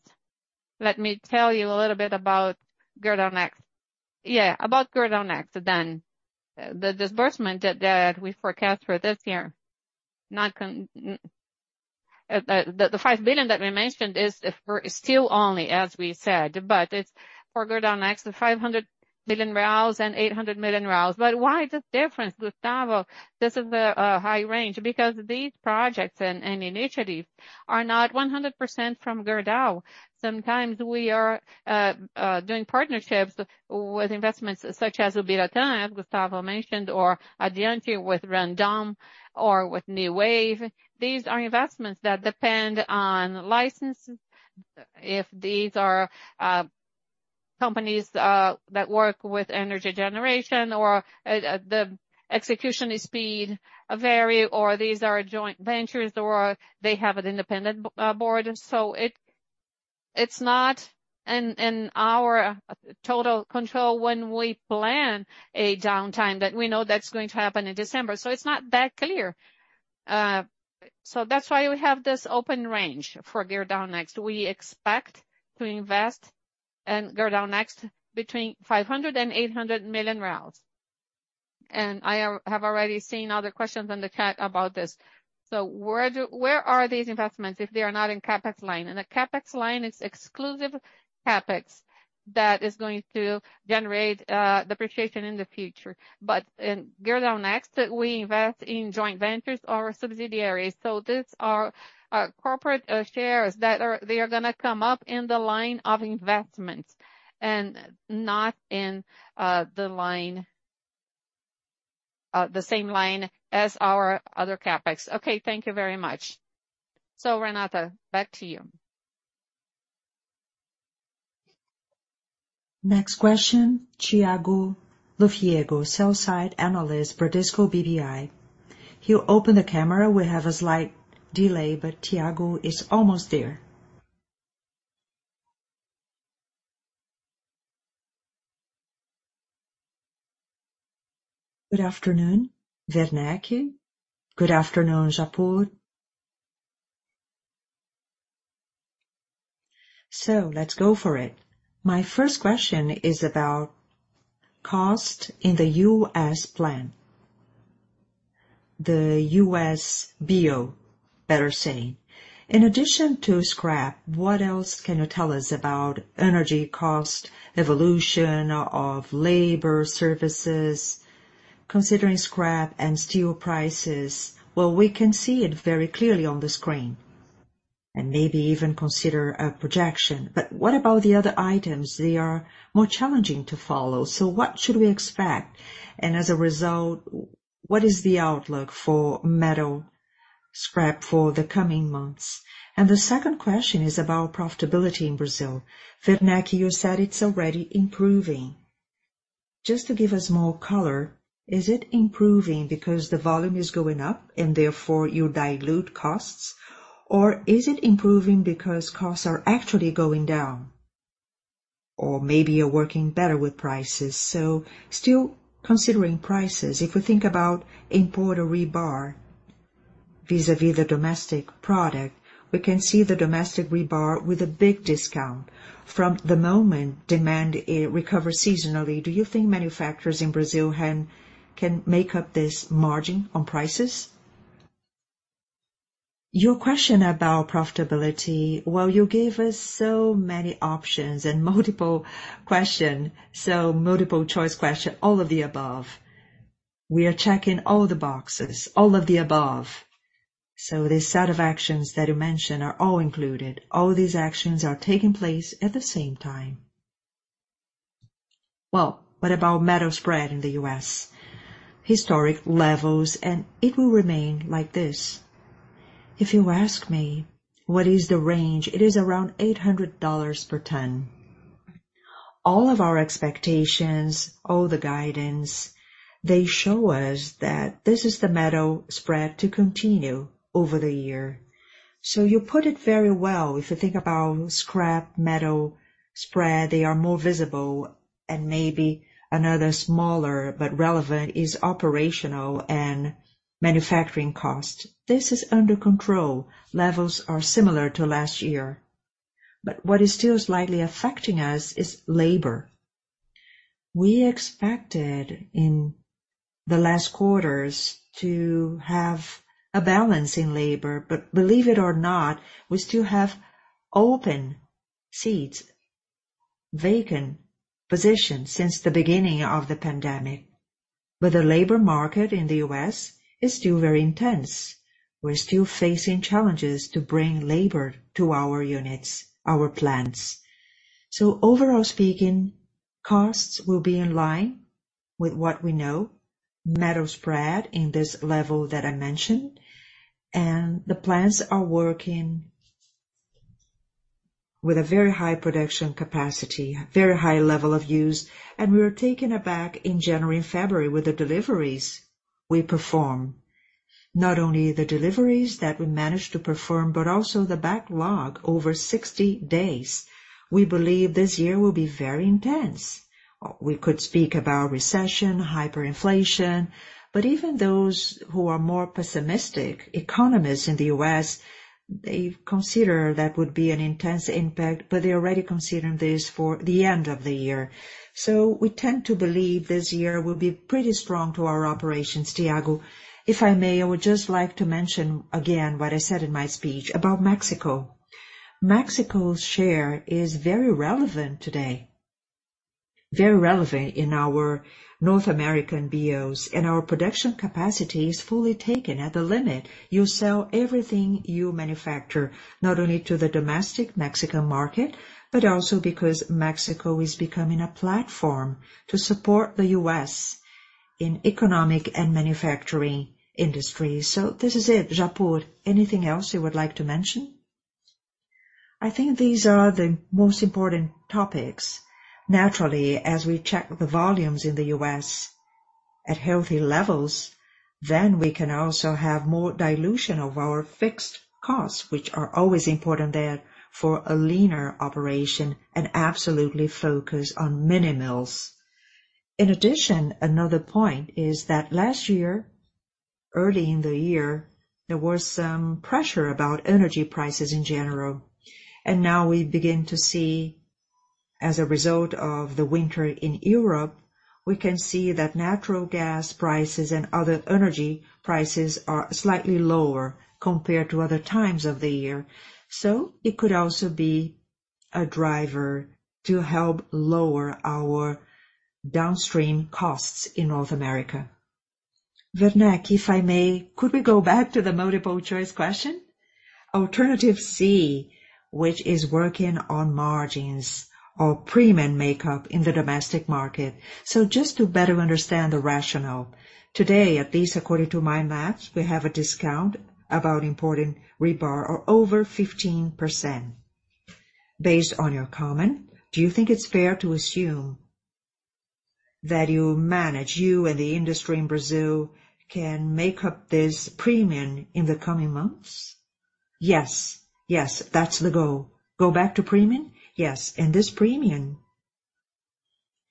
Let me tell you a little bit about Gerdau Next. Yeah, about Gerdau Next. The disbursement that we forecast for this year, the 5 billion that we mentioned is for steel only, as we said. It's for Gerdau Next, 500 million reais and 800 million reais. Why the difference, Gustavo? This is the high range. Because these projects and initiatives are not 100% from Gerdau. Sometimes we are doing partnerships with investments such as Ubiratã, Gustavo mentioned, or Addiante with Randon or with Newave. These are investments that depend on licenses. If these are companies that work with energy generation or the execution speed vary, or these are joint ventures, or they have an independent board. It, it's not in our total control when we plan a downtime that we know that's going to happen in December. It's not that clear. That's why we have this open range for Gerdau Next. We expect to invest in Gerdau Next between 500 million-800 million. I have already seen other questions in the chat about this. Where are these investments if they are not in CapEx line? A CapEx line is exclusive CapEx that is going to generate depreciation in the future. In Gerdau Next, we invest in joint ventures or subsidiaries. These are corporate shares they are gonna come up in the line of investments and not in the line, the same line as our other CapEx. Okay, thank you very much. Renata, back to you. Next question, Thiago Lofiego, Sell-side Analyst, Bradesco BBI. He'll open the camera. We have a slight delay, Tiago is almost there. Good afternoon, Werneck. Good afternoon, Japur. Let's go for it. My first question is about cost in the U.S. plan. The U.S. BO, better saying. In addition to scrap, what else can you tell us about energy cost, evolution of labor services, considering scrap and steel prices? Well, we can see it very clearly on the screen and maybe even consider a projection. What about the other items? They are more challenging to follow. What should we expect? As a result, what is the outlook for metal scrap for the coming months? The second question is about profitability in Brazil. Werneck, you said it's already improving. Just to give us more color, is it improving because the volume is going up and therefore you dilute costs? Or is it improving because costs are actually going down? Or maybe you're working better with prices. Still considering prices, if we think about importer rebar vis-à-vis the domestic product, we can see the domestic rebar with a big discount. From the moment demand recover seasonally, do you think manufacturers in Brazil can make up this margin on prices? Your question about profitability. You gave us so many options and multiple question, so multiple-choice question, all of the above. We are checking all the boxes, all of the above. This set of actions that you mentioned are all included. All these actions are taking place at the same time. What about metal spread in the U.S.? Historic levels, and it will remain like this. If you ask me what is the range, it is around $800 per ton. All of our expectations, all the guidance, they show us that this is the metal spread to continue over the year. You put it very well. If you think about scrap metal spread, they are more visible and maybe another smaller but relevant is operational and manufacturing cost. This is under control. Levels are similar to last year. What is still slightly affecting us is labor. We expected in the last quarters to have a balance in labor. Believe it or not, we still have open seats, vacant positions since the beginning of the pandemic. The labor market in the U.S. is still very intense. We're still facing challenges to bring labor to our units, our plants. Overall speaking, costs will be in line with what we know. Metal spread in this level that I mentioned. The plants are working with a very high production capacity, very high level of use. We were taken aback in January and February with the deliveries we perform. Not only the deliveries that we managed to perform, but also the backlog over 60 days. We believe this year will be very intense. We could speak about recession, hyperinflation, but even those who are more pessimistic economists in the U.S., they consider that would be an intense impact, but they're already considering this for the end of the year. We tend to believe this year will be pretty strong to our operations, Thiago. If I may, I would just like to mention again what I said in my speech about Mexico. Mexico's share is very relevant today, very relevant in our North American BOs. Our production capacity is fully taken at the limit. You sell everything you manufacture, not only to the domestic Mexican market, but also because Mexico is becoming a platform to support the U.S. in economic and manufacturing industries. This is it. Japur, anything else you would like to mention? I think these are the most important topics. Naturally, as we check the volumes in the U.S. at healthy levels, we can also have more dilution of our fixed costs, which are always important there for a leaner operation and absolutely focus on mini mills. In addition, another point is that last year, early in the year, there was some pressure about energy prices in general. Now we begin to see as a result of the winter in Europe, we can see that natural gas prices and other energy prices are slightly lower compared to other times of the year. It could also be a driver to help lower our downstream costs in North America. Werneck, if I may, could we go back to the multiple-choice question? Alternative C, which is working on margins or premium makeup in the domestic market. Just to better understand the rationale. Today, at least according to my math, we have a discount about imported rebar or over 15%. Based on your comment, do you think it's fair to assume that you manage, you and the industry in Brazil can make up this premium in the coming months? Yes. Yes, that's the goal. Go back to premium? Yes. This premium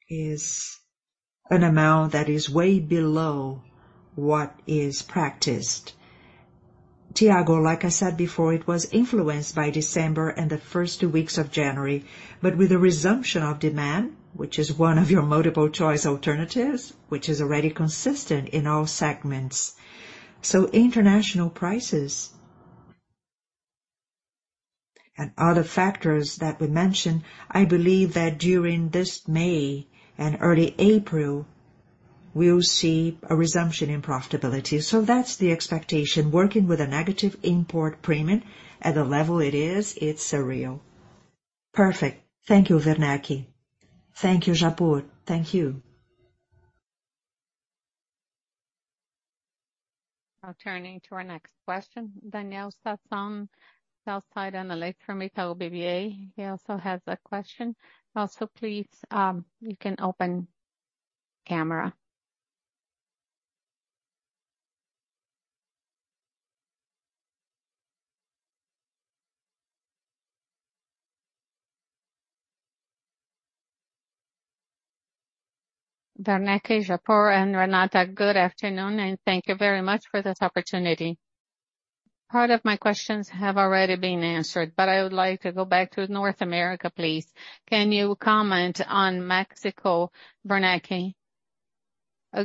is an amount that is way below what is practiced. Thiago, like I said before, it was influenced by December and the first two weeks of January. With the resumption of demand, which is one of your multiple choice alternatives, which is already consistent in all segments. International prices and other factors that we mentioned, I believe that during this May and early April, we'll see a resumption in profitability. That's the expectation. Working with a negative import premium at the level it is, it's surreal. Perfect. Thank you, Werneck. Thank you, Japur. Thank you. Turning to our next question. Daniel Sasson, sell-side analyst from Itau BBA. He also has a question. Please, you can open camera. Werneck, Japur and Renata, good afternoon, and thank you very much for this opportunity. Part of my questions have already been answered. I would like to go back to North America, please. Can you comment on Mexico, Werneck?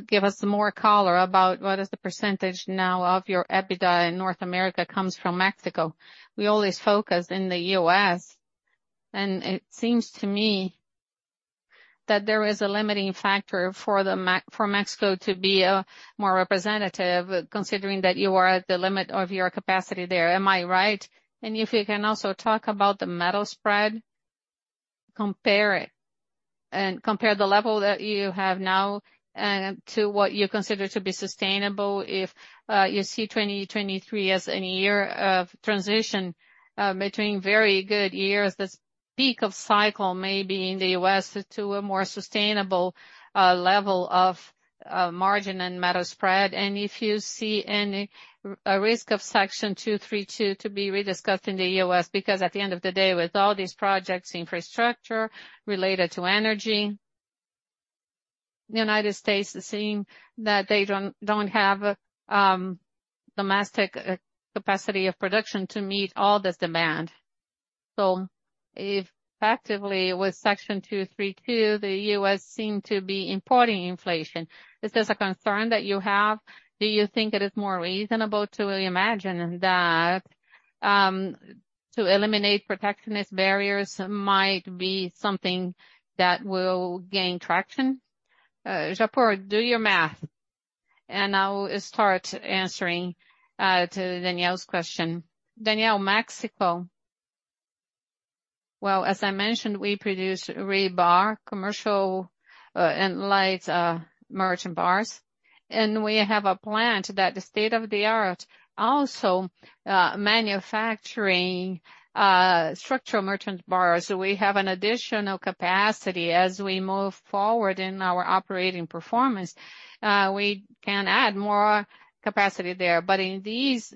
Give us more color about what is the percentage now of your EBITDA in North America comes from Mexico. We always focus in the U.S. It seems to me that there is a limiting factor for Mexico to be more representative, considering that you are at the limit of your capacity there. Am I right? If you can also talk about the metal spread, compare it and compare the level that you have now, to what you consider to be sustainable. If you see 2023 as an year of transition, between very good years, this peak of cycle may be in the U.S. to a more sustainable level of margin and metal spread. And if you see any, a risk of Section 232 to be rediscussed in the U.S., because at the end of the day, with all these projects, infrastructure related to energy, United States seem that they don't have domestic capacity of production to meet all this demand. So if effectively with Section 232, the U.S. seem to be importing inflation, is this a concern that you have? Do you think it is more reasonable to imagine that, to eliminate protectionist barriers might be something that will gain traction? Japur, do your math, and I'll start answering to Daniel's question. Daniel, Mexico. Well, as I mentioned, we produce rebar, commercial, and light merchant bars. We have a plant that state-of-the-art also, manufacturing structural merchant bars. We have an additional capacity. As we move forward in our operating performance, we can add more capacity there. In these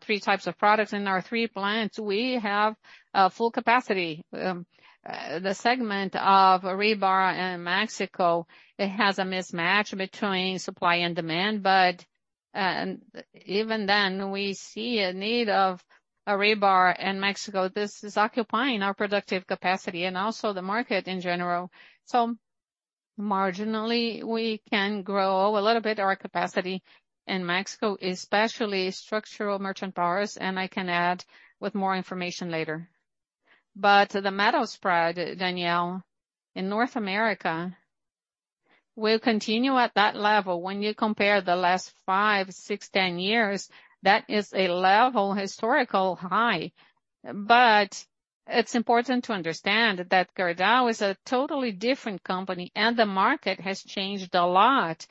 three types of products in our three plants, we have full capacity. The segment of rebar in Mexico, it has a mismatch between supply and demand. Even then, we see a need of a rebar in Mexico. This is occupying our productive capacity and also the market in general. Marginally, we can grow a little bit our capacity in Mexico, especially structural merchant bars, and I can add with more information later. The metal spread, Daniel, in North America will continue at that level. When you compare the last five, six, 10 years, that is a level historical high. It's important to understand that Gerdau is a totally different company, and the market has changed a lot.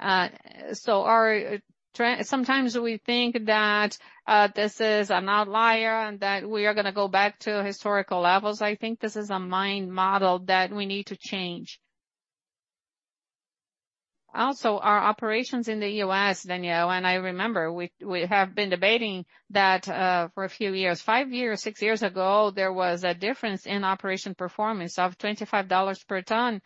Sometimes we think that this is an outlier and that we are gonna go back to historical levels. I think this is a mind model that we need to change. Also, our operations in the U.S., Daniel, and I remember we have been debating that for a few years. Five years, six years ago, there was a difference in operation performance of $25 per ton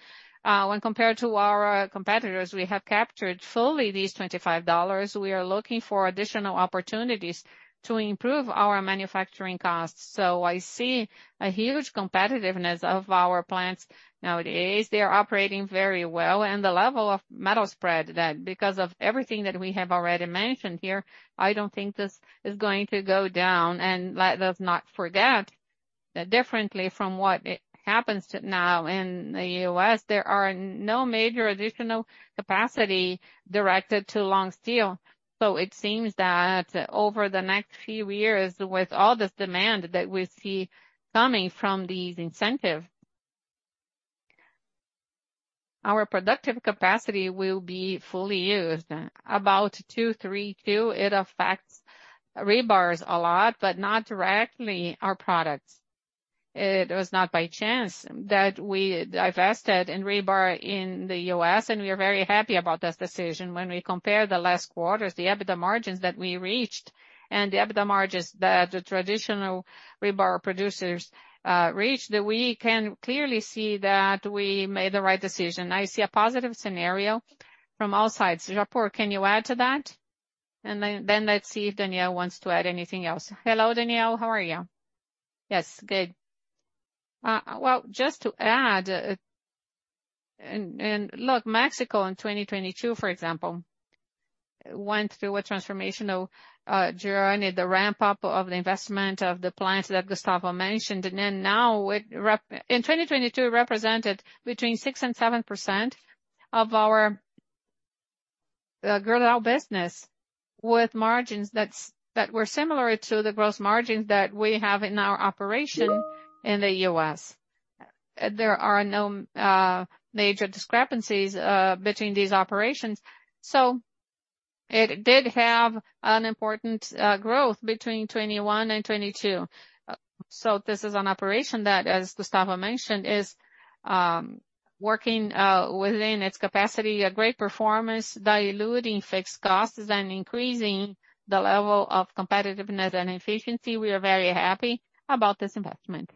when compared to our competitors. We have captured fully these $25. We are looking for additional opportunities to improve our manufacturing costs. I see a huge competitiveness of our plants nowadays. They are operating very well. The level of metal spread, that because of everything that we have already mentioned here, I don't think this is going to go down. Let us not forget that differently from what happens now in the U.S., there are no major additional capacity directed to long steel. It seems that over the next few years, with all this demand that we see coming from these incentive. Our productive capacity will be fully used. About Section 232, it affects rebars a lot, but not directly our products. It was not by chance that we divested in rebar in the U.S., and we are very happy about this decision. When we compare the last quarters, the EBITDA margins that we reached and the EBITDA margins that the traditional rebar producers reached, that we can clearly see that we made the right decision. I see a positive scenario from all sides. Japur, can you add to that? Let's see if Daniel wants to add anything else. Hello, Daniel. How are you? Yes, good. Well, just to add, and look, Mexico in 2022, for example, went through a transformational journey, the ramp-up of the investment of the plants that Gustavo mentioned. Now in 2022, it represented between 6% and 7% of our Gerdau business with margins that were similar to the gross margins that we have in our operation in the U.S. There are no major discrepancies between these operations. It did have an important growth between 2021 and 2022. This is an operation that, as Gustavo mentioned, is working within its capacity, a great performance, diluting fixed costs and increasing the level of competitiveness and efficiency. We are very happy about this investment.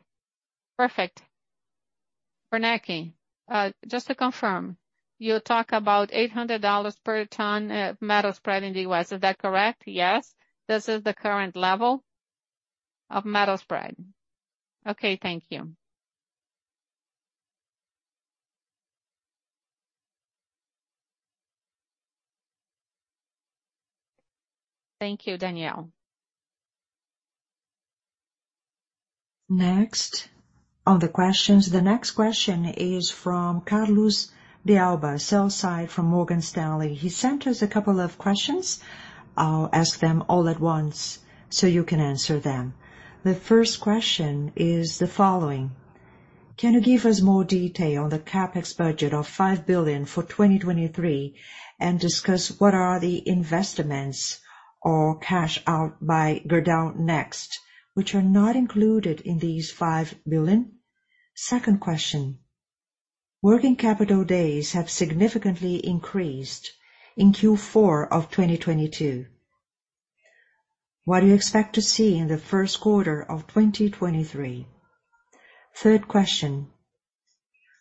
Perfect. Werneck, just to confirm, you talk about $800 per ton metal spread in the US. Is that correct? Yes. This is the current level of metal spread. Okay, thank you. Thank you, Daniel. Next on the questions. The next question is from Carlos de Alba, sell side from Morgan Stanley. He sent us a couple of questions. I'll ask them all at once, so you can answer them. The first question is the following: Can you give us more detail on the CapEx budget of 5 billion for 2023 and discuss what are the investments or cash out by Gerdau Next, which are not included in these 5 billion? Second question: Working capital days have significantly increased in Q4 of 2022. What do you expect to see in the Q1 of 2023? Third question: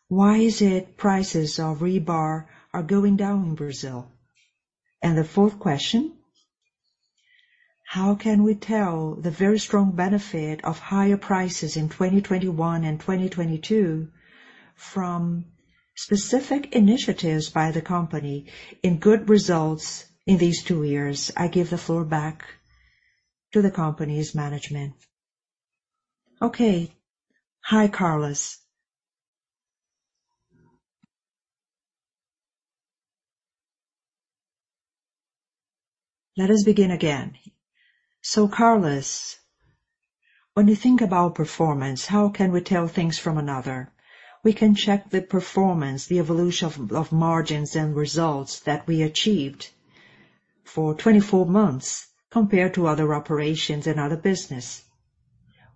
Why is it prices of rebar are going down in Brazil? The fourth question: How can we tell the very strong benefit of higher prices in 2021 and 2022 from specific initiatives by the company in good results in these two years? I give the floor back to the company's management. Okay. Hi, Carlos. Let us begin again. Carlos, when you think about performance, how can we tell things from another? We can check the performance, the evolution of margins and results that we achieved for 24 months compared to other operations and other business.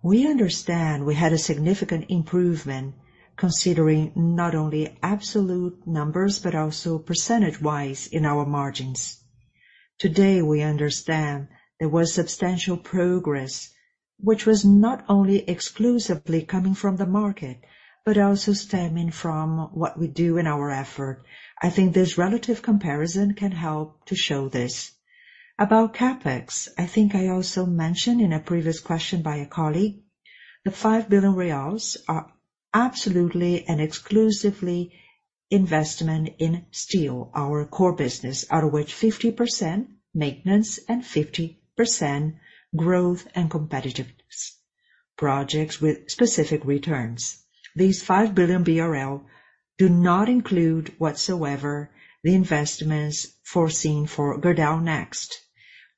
We understand we had a significant improvement considering not only absolute numbers, but also percentage-wise in our margins. Today, we understand there was substantial progress, which was not only exclusively coming from the market, but also stemming from what we do in our effort. I think this relative comparison can help to show this. CapEx, I think I also mentioned in a previous question by a colleague, the 5 billion reais are absolutely and exclusively investment in steel, our core business, out of which 50% maintenance and 50% growth and competitiveness. Projects with specific returns. These 5 billion BRL do not include whatsoever the investments foreseen for Gerdau Next.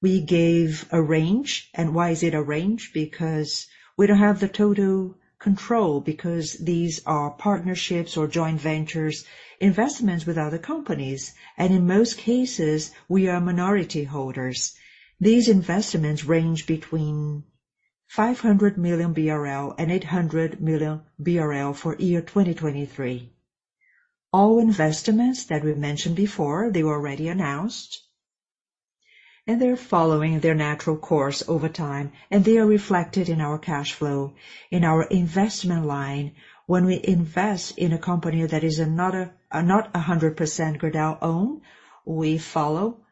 We gave a range, why is it a range? Because we don't have the total control because these are partnerships or joint ventures, investments with other companies, and in most cases, we are minority holders. These investments range between 500 million BRL and 800 million BRL for year 2023. All investments that we've mentioned before, they were already announced, they're following their natural course over time, and they are reflected in our cash flow. In our investment line, when we invest in a company that is not 100% Gerdau owned, we follow.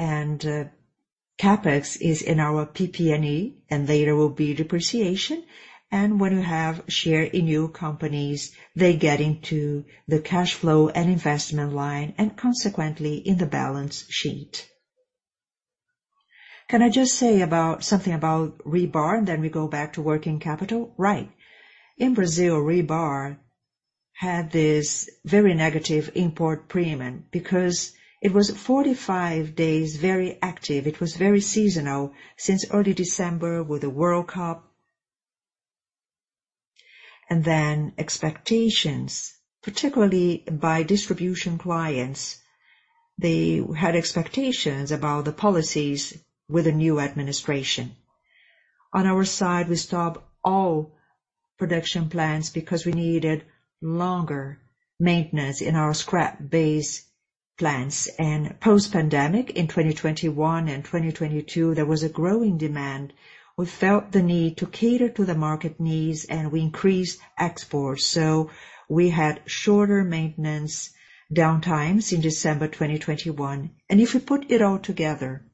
CapEx is in our PP&E, and later will be depreciation. When you have share in new companies, they get into the cash flow and investment line and consequently in the balance sheet. Can I just say something about rebar, then we go back to working capital. Right. In Brazil, rebar had this very negative import premium because it was 45 days very active. It was very seasonal since early December with the World Cup. Then expectations, particularly by distribution clients. They had expectations about the policies with the new administration. On our side, we stopped all production plans because we needed longer maintenance in our scrap-based plants. Post-pandemic, in 2021 and 2022, there was a growing demand. We felt the need to cater to the market needs, and we increased exports. We had shorter maintenance downtimes in December 2021. If you put it all together,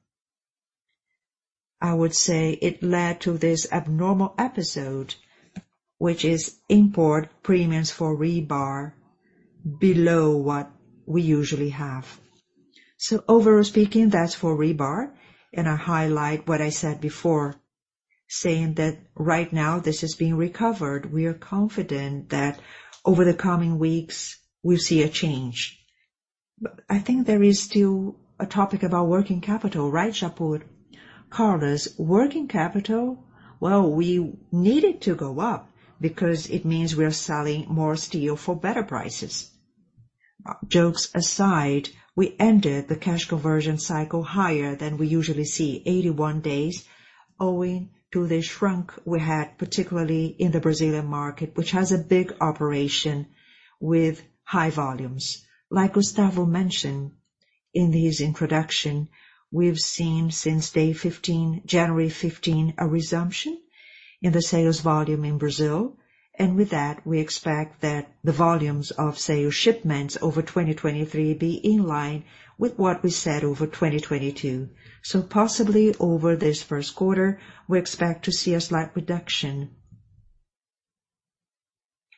I would say it led to this abnormal episode, which is import premiums for rebar below what we usually have. Overall speaking, that's for rebar. I highlight what I said before, saying that right now this is being recovered. We are confident that over the coming weeks we'll see a change. I think there is still a topic about working capital, right, Japur? Carlos, working capital, well, we need it to go up because it means we are selling more steel for better prices. Jokes aside, we ended the cash conversion cycle higher than we usually see, 81 days, owing to the shrunk we had, particularly in the Brazilian market, which has a big operation with high volumes. Like Gustavo mentioned in his introduction, we've seen since day 15, January 15, a resumption in the sales volume in Brazil. With that, we expect that the volumes of sales shipments over 2023 be in line with what we said over 2022. Possibly over this Q1, we expect to see a slight reduction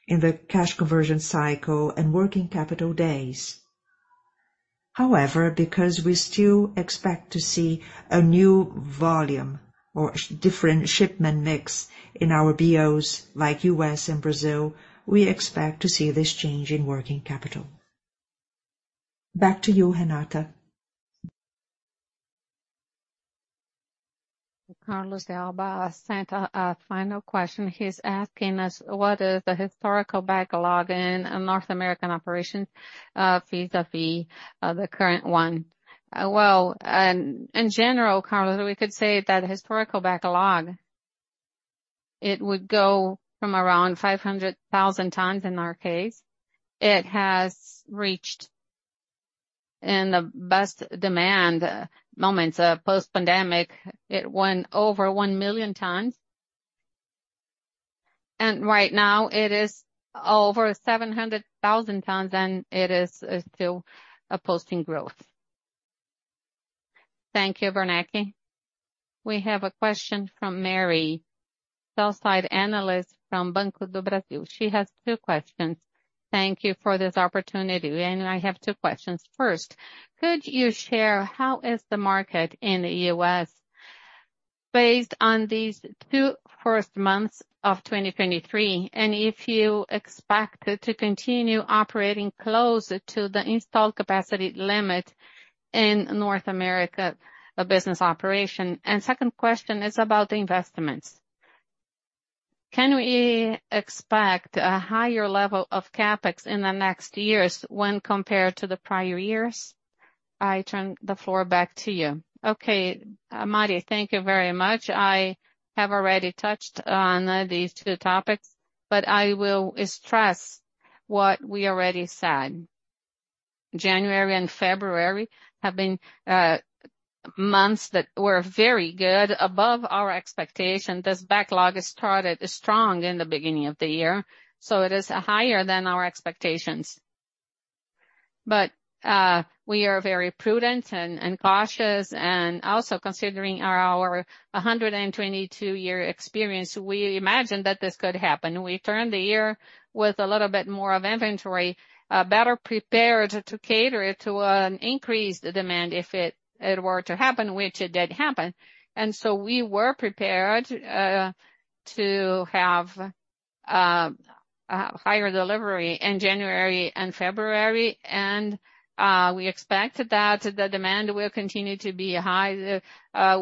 in the cash conversion cycle and working capital days. However, because we still expect to see a new volume or different shipment mix in our BOs, like U.S. and Brazil, we expect to see this change in working capital. Back to you, Renata. Carlos Alba sent a final question. He's asking us, what is the historical backlog in North American operations, vis-à-vis, the current one? Well, in general, Carlos, we could say that historical backlog, it would go from around 500,000 tons in our case. It has reached in the best demand moments, post-pandemic, it went over 1,000,000tons. Right now it is over 700,000 tons, and it is still posting growth. Thank you, Werneck. We have a question from Mary, sell-side analyst from Banco do Brasil. She has two questions. Thank you for this opportunity. I have two questions. First, could you share how is the market in the U.S. based on these two first months of 2023, and if you expect it to continue operating close to the installed capacity limit in North America business operation? Second question is about the investments. Can we expect a higher level of CapEx in the next years when compared to the prior years? I turn the floor back to you. Okay, Mary, thank you very much. I have already touched on these two topics, but I will stress what we already said. January and February have been months that were very good, above our expectation. This backlog started strong in the beginning of the year, so it is higher than our expectations. We are very prudent and cautious. Also considering our 122-year experience, we imagine that this could happen. We turned the year with a little bit more of inventory, better prepared to cater to an increased demand if it were to happen, which it did happen. We were prepared to have higher delivery in January and February. We expect that the demand will continue to be high.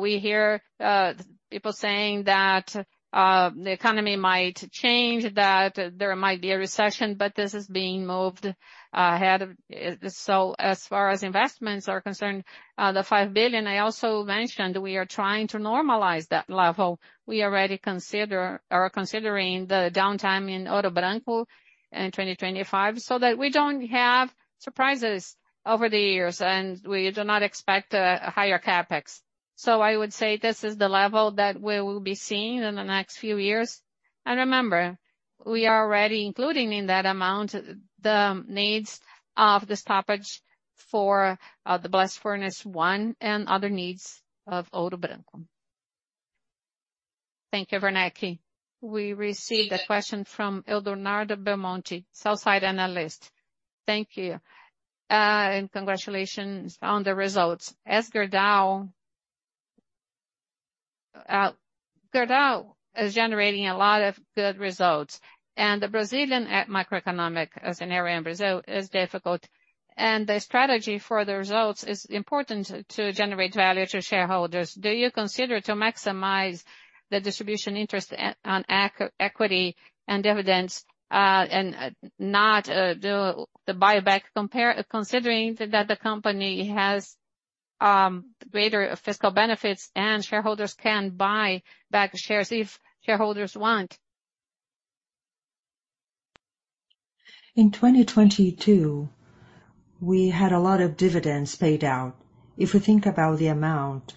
We hear people saying that the economy might change, that there might be a recession, but this is being moved ahead. As far as investments are concerned, the 5 billion, I also mentioned we are trying to normalize that level. We already consider or are considering the downtime in Ouro Branco in 2025, so that we don't have surprises over the years, and we do not expect a higher CapEx. I would say this is the level that we will be seeing in the next few years. Remember, we are already including in that amount the needs of the stoppage for the blast furnace one and other needs of Ouro Branco. Thank you, Werneck. We received a question from Eldonardo Belmonte, sell-side analyst. Thank you, and congratulations on the results. Gerdau is generating a lot of good results, and the Brazilian macroeconomic scenario in Brazil is difficult. The strategy for the results is important to generate value to shareholders. Do you consider to maximize the distribution interest on equity and dividends, and not the buyback? Considering that the company has greater fiscal benefits and shareholders can buy back shares if shareholders want. In 2022, we had a lot of dividends paid out. If we think about the amount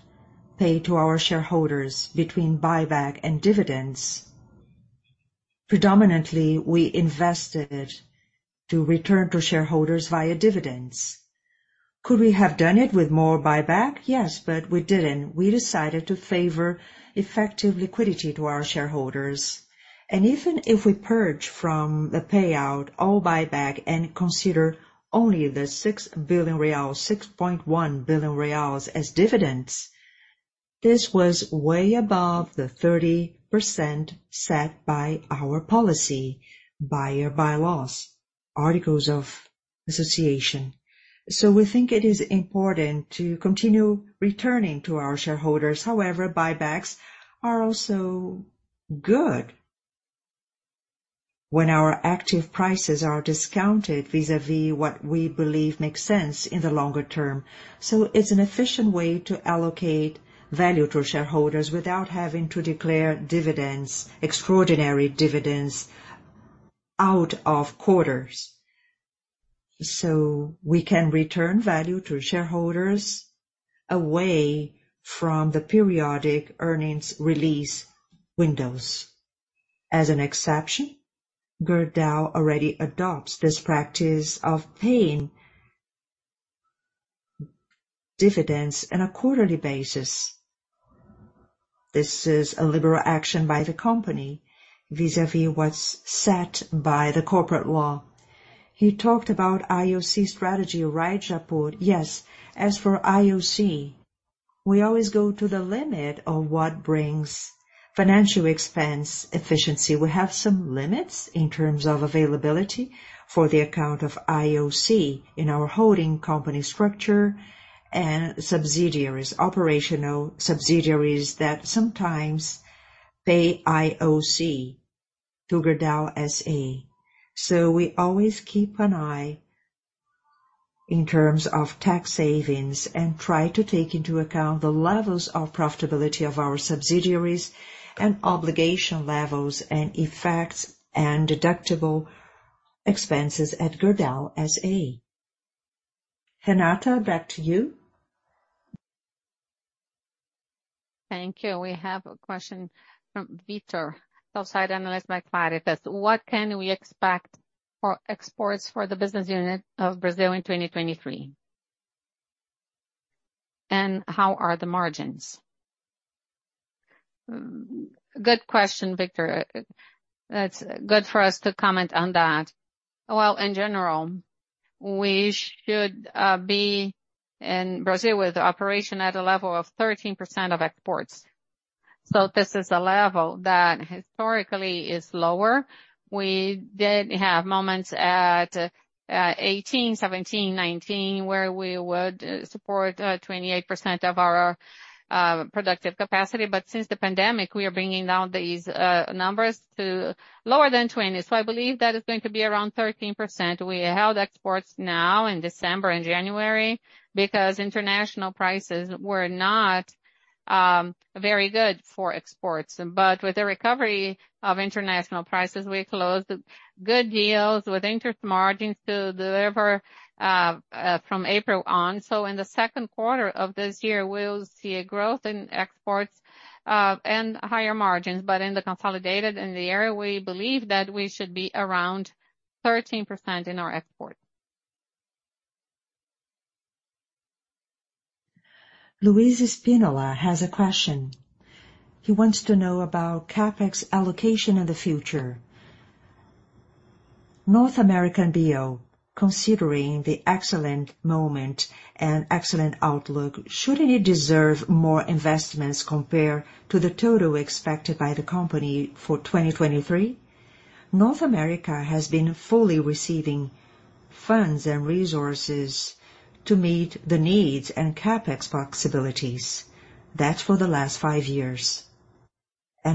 paid to our shareholders between buyback and dividends, predominantly, we invested to return to shareholders via dividends. Could we have done it with more buyback? Yes, but we didn't. We decided to favor effective liquidity to our shareholders. Even if we purge from the payout all buyback and consider only 6 billion reais, 6.1 billion reais as dividends, this was way above the 30% set by our policy, by our bylaws, articles of association. We think it is important to continue returning to our shareholders. However, buybacks are also good when our active prices are discounted vis-a-vis what we believe makes sense in the longer term. It's an efficient way to allocate value to shareholders without having to declare dividends, extraordinary dividends out of quarters. We can return value to shareholders away from the periodic earnings release windows. As an exception, Gerdau already adopts this practice of paying dividends on a quarterly basis. This is a liberal action by the company vis-a-vis what's set by the corporate law. He talked about IOC strategy, right, Japur? Yes. As for IOC, we always go to the limit of what brings financial expense efficiency. We have some limits in terms of availability for the account of IOC in our holding company structure and subsidiaries, operational subsidiaries that sometimes pay IOC to Gerdau S.A. We always keep an eye in terms of tax savings and try to take into account the levels of profitability of our subsidiaries and obligation levels and effects and deductible expenses at Gerdau S.A. Renata, back to you. Thank you. We have a question from Vitor, Sell-side Analyst by Claritas. What can we expect for exports for the business unit of Brazil in 2023? How are the margins? Good question, Vitor. That's good for us to comment on that. In general, we should be in Brazil with operation at a level of 13% of exports. This is a level that historically is lower. We did have moments at 18, 17, 19, where we would support 28% of our productive capacity. Since the pandemic, we are bringing down these numbers to lower than 20. I believe that is going to be around 13%. We held exports now in December and January because international prices were not very good for exports. With the recovery of international prices, we closed good deals with interest margins to deliver from April on. In the second quarter of this year, we'll see a growth in exports and higher margins. In the consolidated in the area, we believe that we should be around 13% in our export. Luis Spinola has a question. He wants to know about CapEx allocation in the future. North American BO, considering the excellent moment and excellent outlook, shouldn't it deserve more investments compared to the total expected by the company for 2023? North America has been fully receiving funds and resources to meet the needs and CapEx possibilities. That's for the last five years.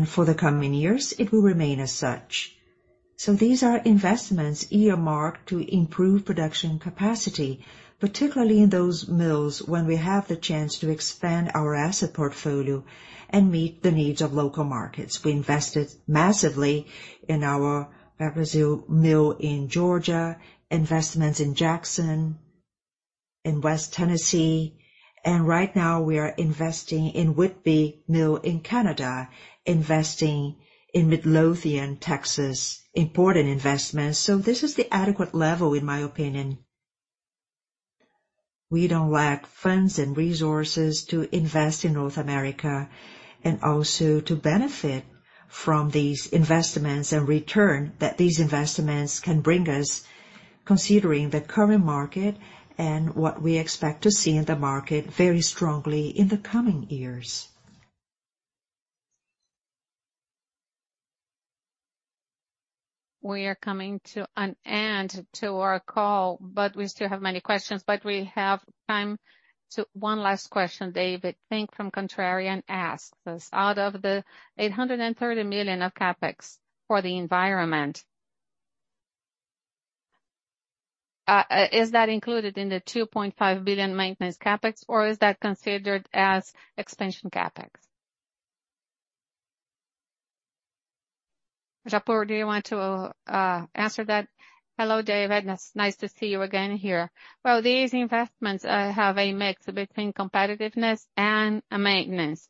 For the coming years, it will remain as such. These are investments earmarked to improve production capacity, particularly in those mills when we have the chance to expand our asset portfolio and meet the needs of local markets. We invested massively in our Brazil mill in Georgia, investments in Jackson, in West Tennessee. Right now we are investing in Whitby mill in Canada, investing in Midlothian, Texas. Important investments. This is the adequate level, in my opinion. We don't lack funds and resources to invest in North America and also to benefit from these investments and return that these investments can bring us, considering the current market and what we expect to see in the market very strongly in the coming years. We are coming to an end to our call, but we still have many questions. We have time to one last question. David Fink from Contrarian asks us... Out of the 830 million of CapEx for the environment, is that included in the 2.5 billion maintenance CapEx, or is that considered as expansion CapEx? Japur, do you want to answer that? Hello, David. It's nice to see you again here. These investments have a mix between competitiveness and maintenance.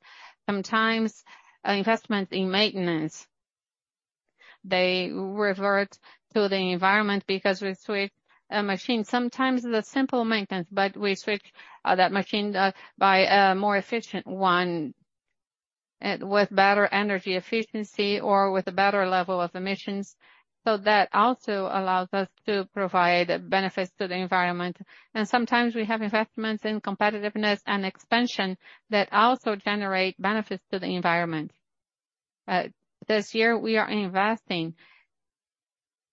Sometimes investments in maintenance, they revert to the environment because we switch a machine. Sometimes it's a simple maintenance, but we switch that machine by a more efficient one with better energy efficiency or with a better level of emissions. That also allows us to provide benefits to the environment. Sometimes we have investments in competitiveness and expansion that also generate benefits to the environment. This year we are investing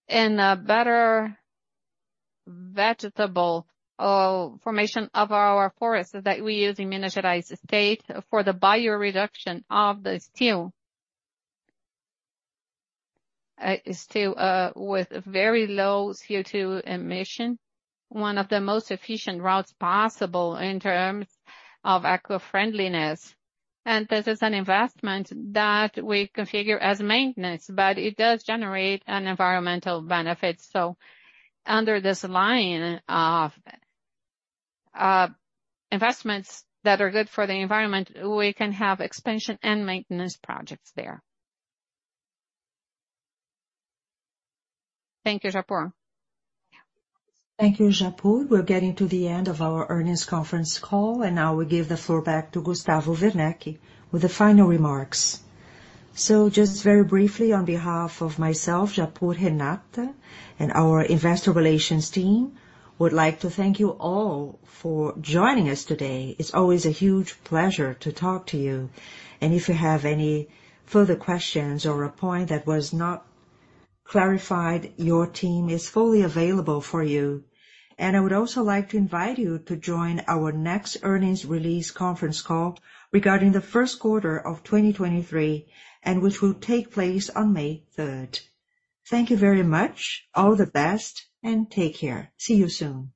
in a better vegetable formation of our forests that we use in mineralized state for the bioreduction of the steel. Still, with very low CO2 emission. One of the most efficient routes possible in terms of eco-friendliness. This is an investment that we configure as maintenance, but it does generate an environmental benefit. Under this line of investments that are good for the environment, we can have expansion and maintenance projects there. Thank you, Japur. Thank you, Japur. We're getting to the end of our earnings conference call, and now we give the floor back to Gustavo Werneck with the final remarks. Just very briefly, on behalf of myself, Japur, Renata, and our investor relations team, would like to thank you all for joining us today. It's always a huge pleasure to talk to you. If you have any further questions or a point that was not clarified, your team is fully available for you. I would also like to invite you to join our next earnings release conference call regarding the Q1 of 2023, and which will take place on May 3rd. Thank you very much. All the best, and take care. See you soon.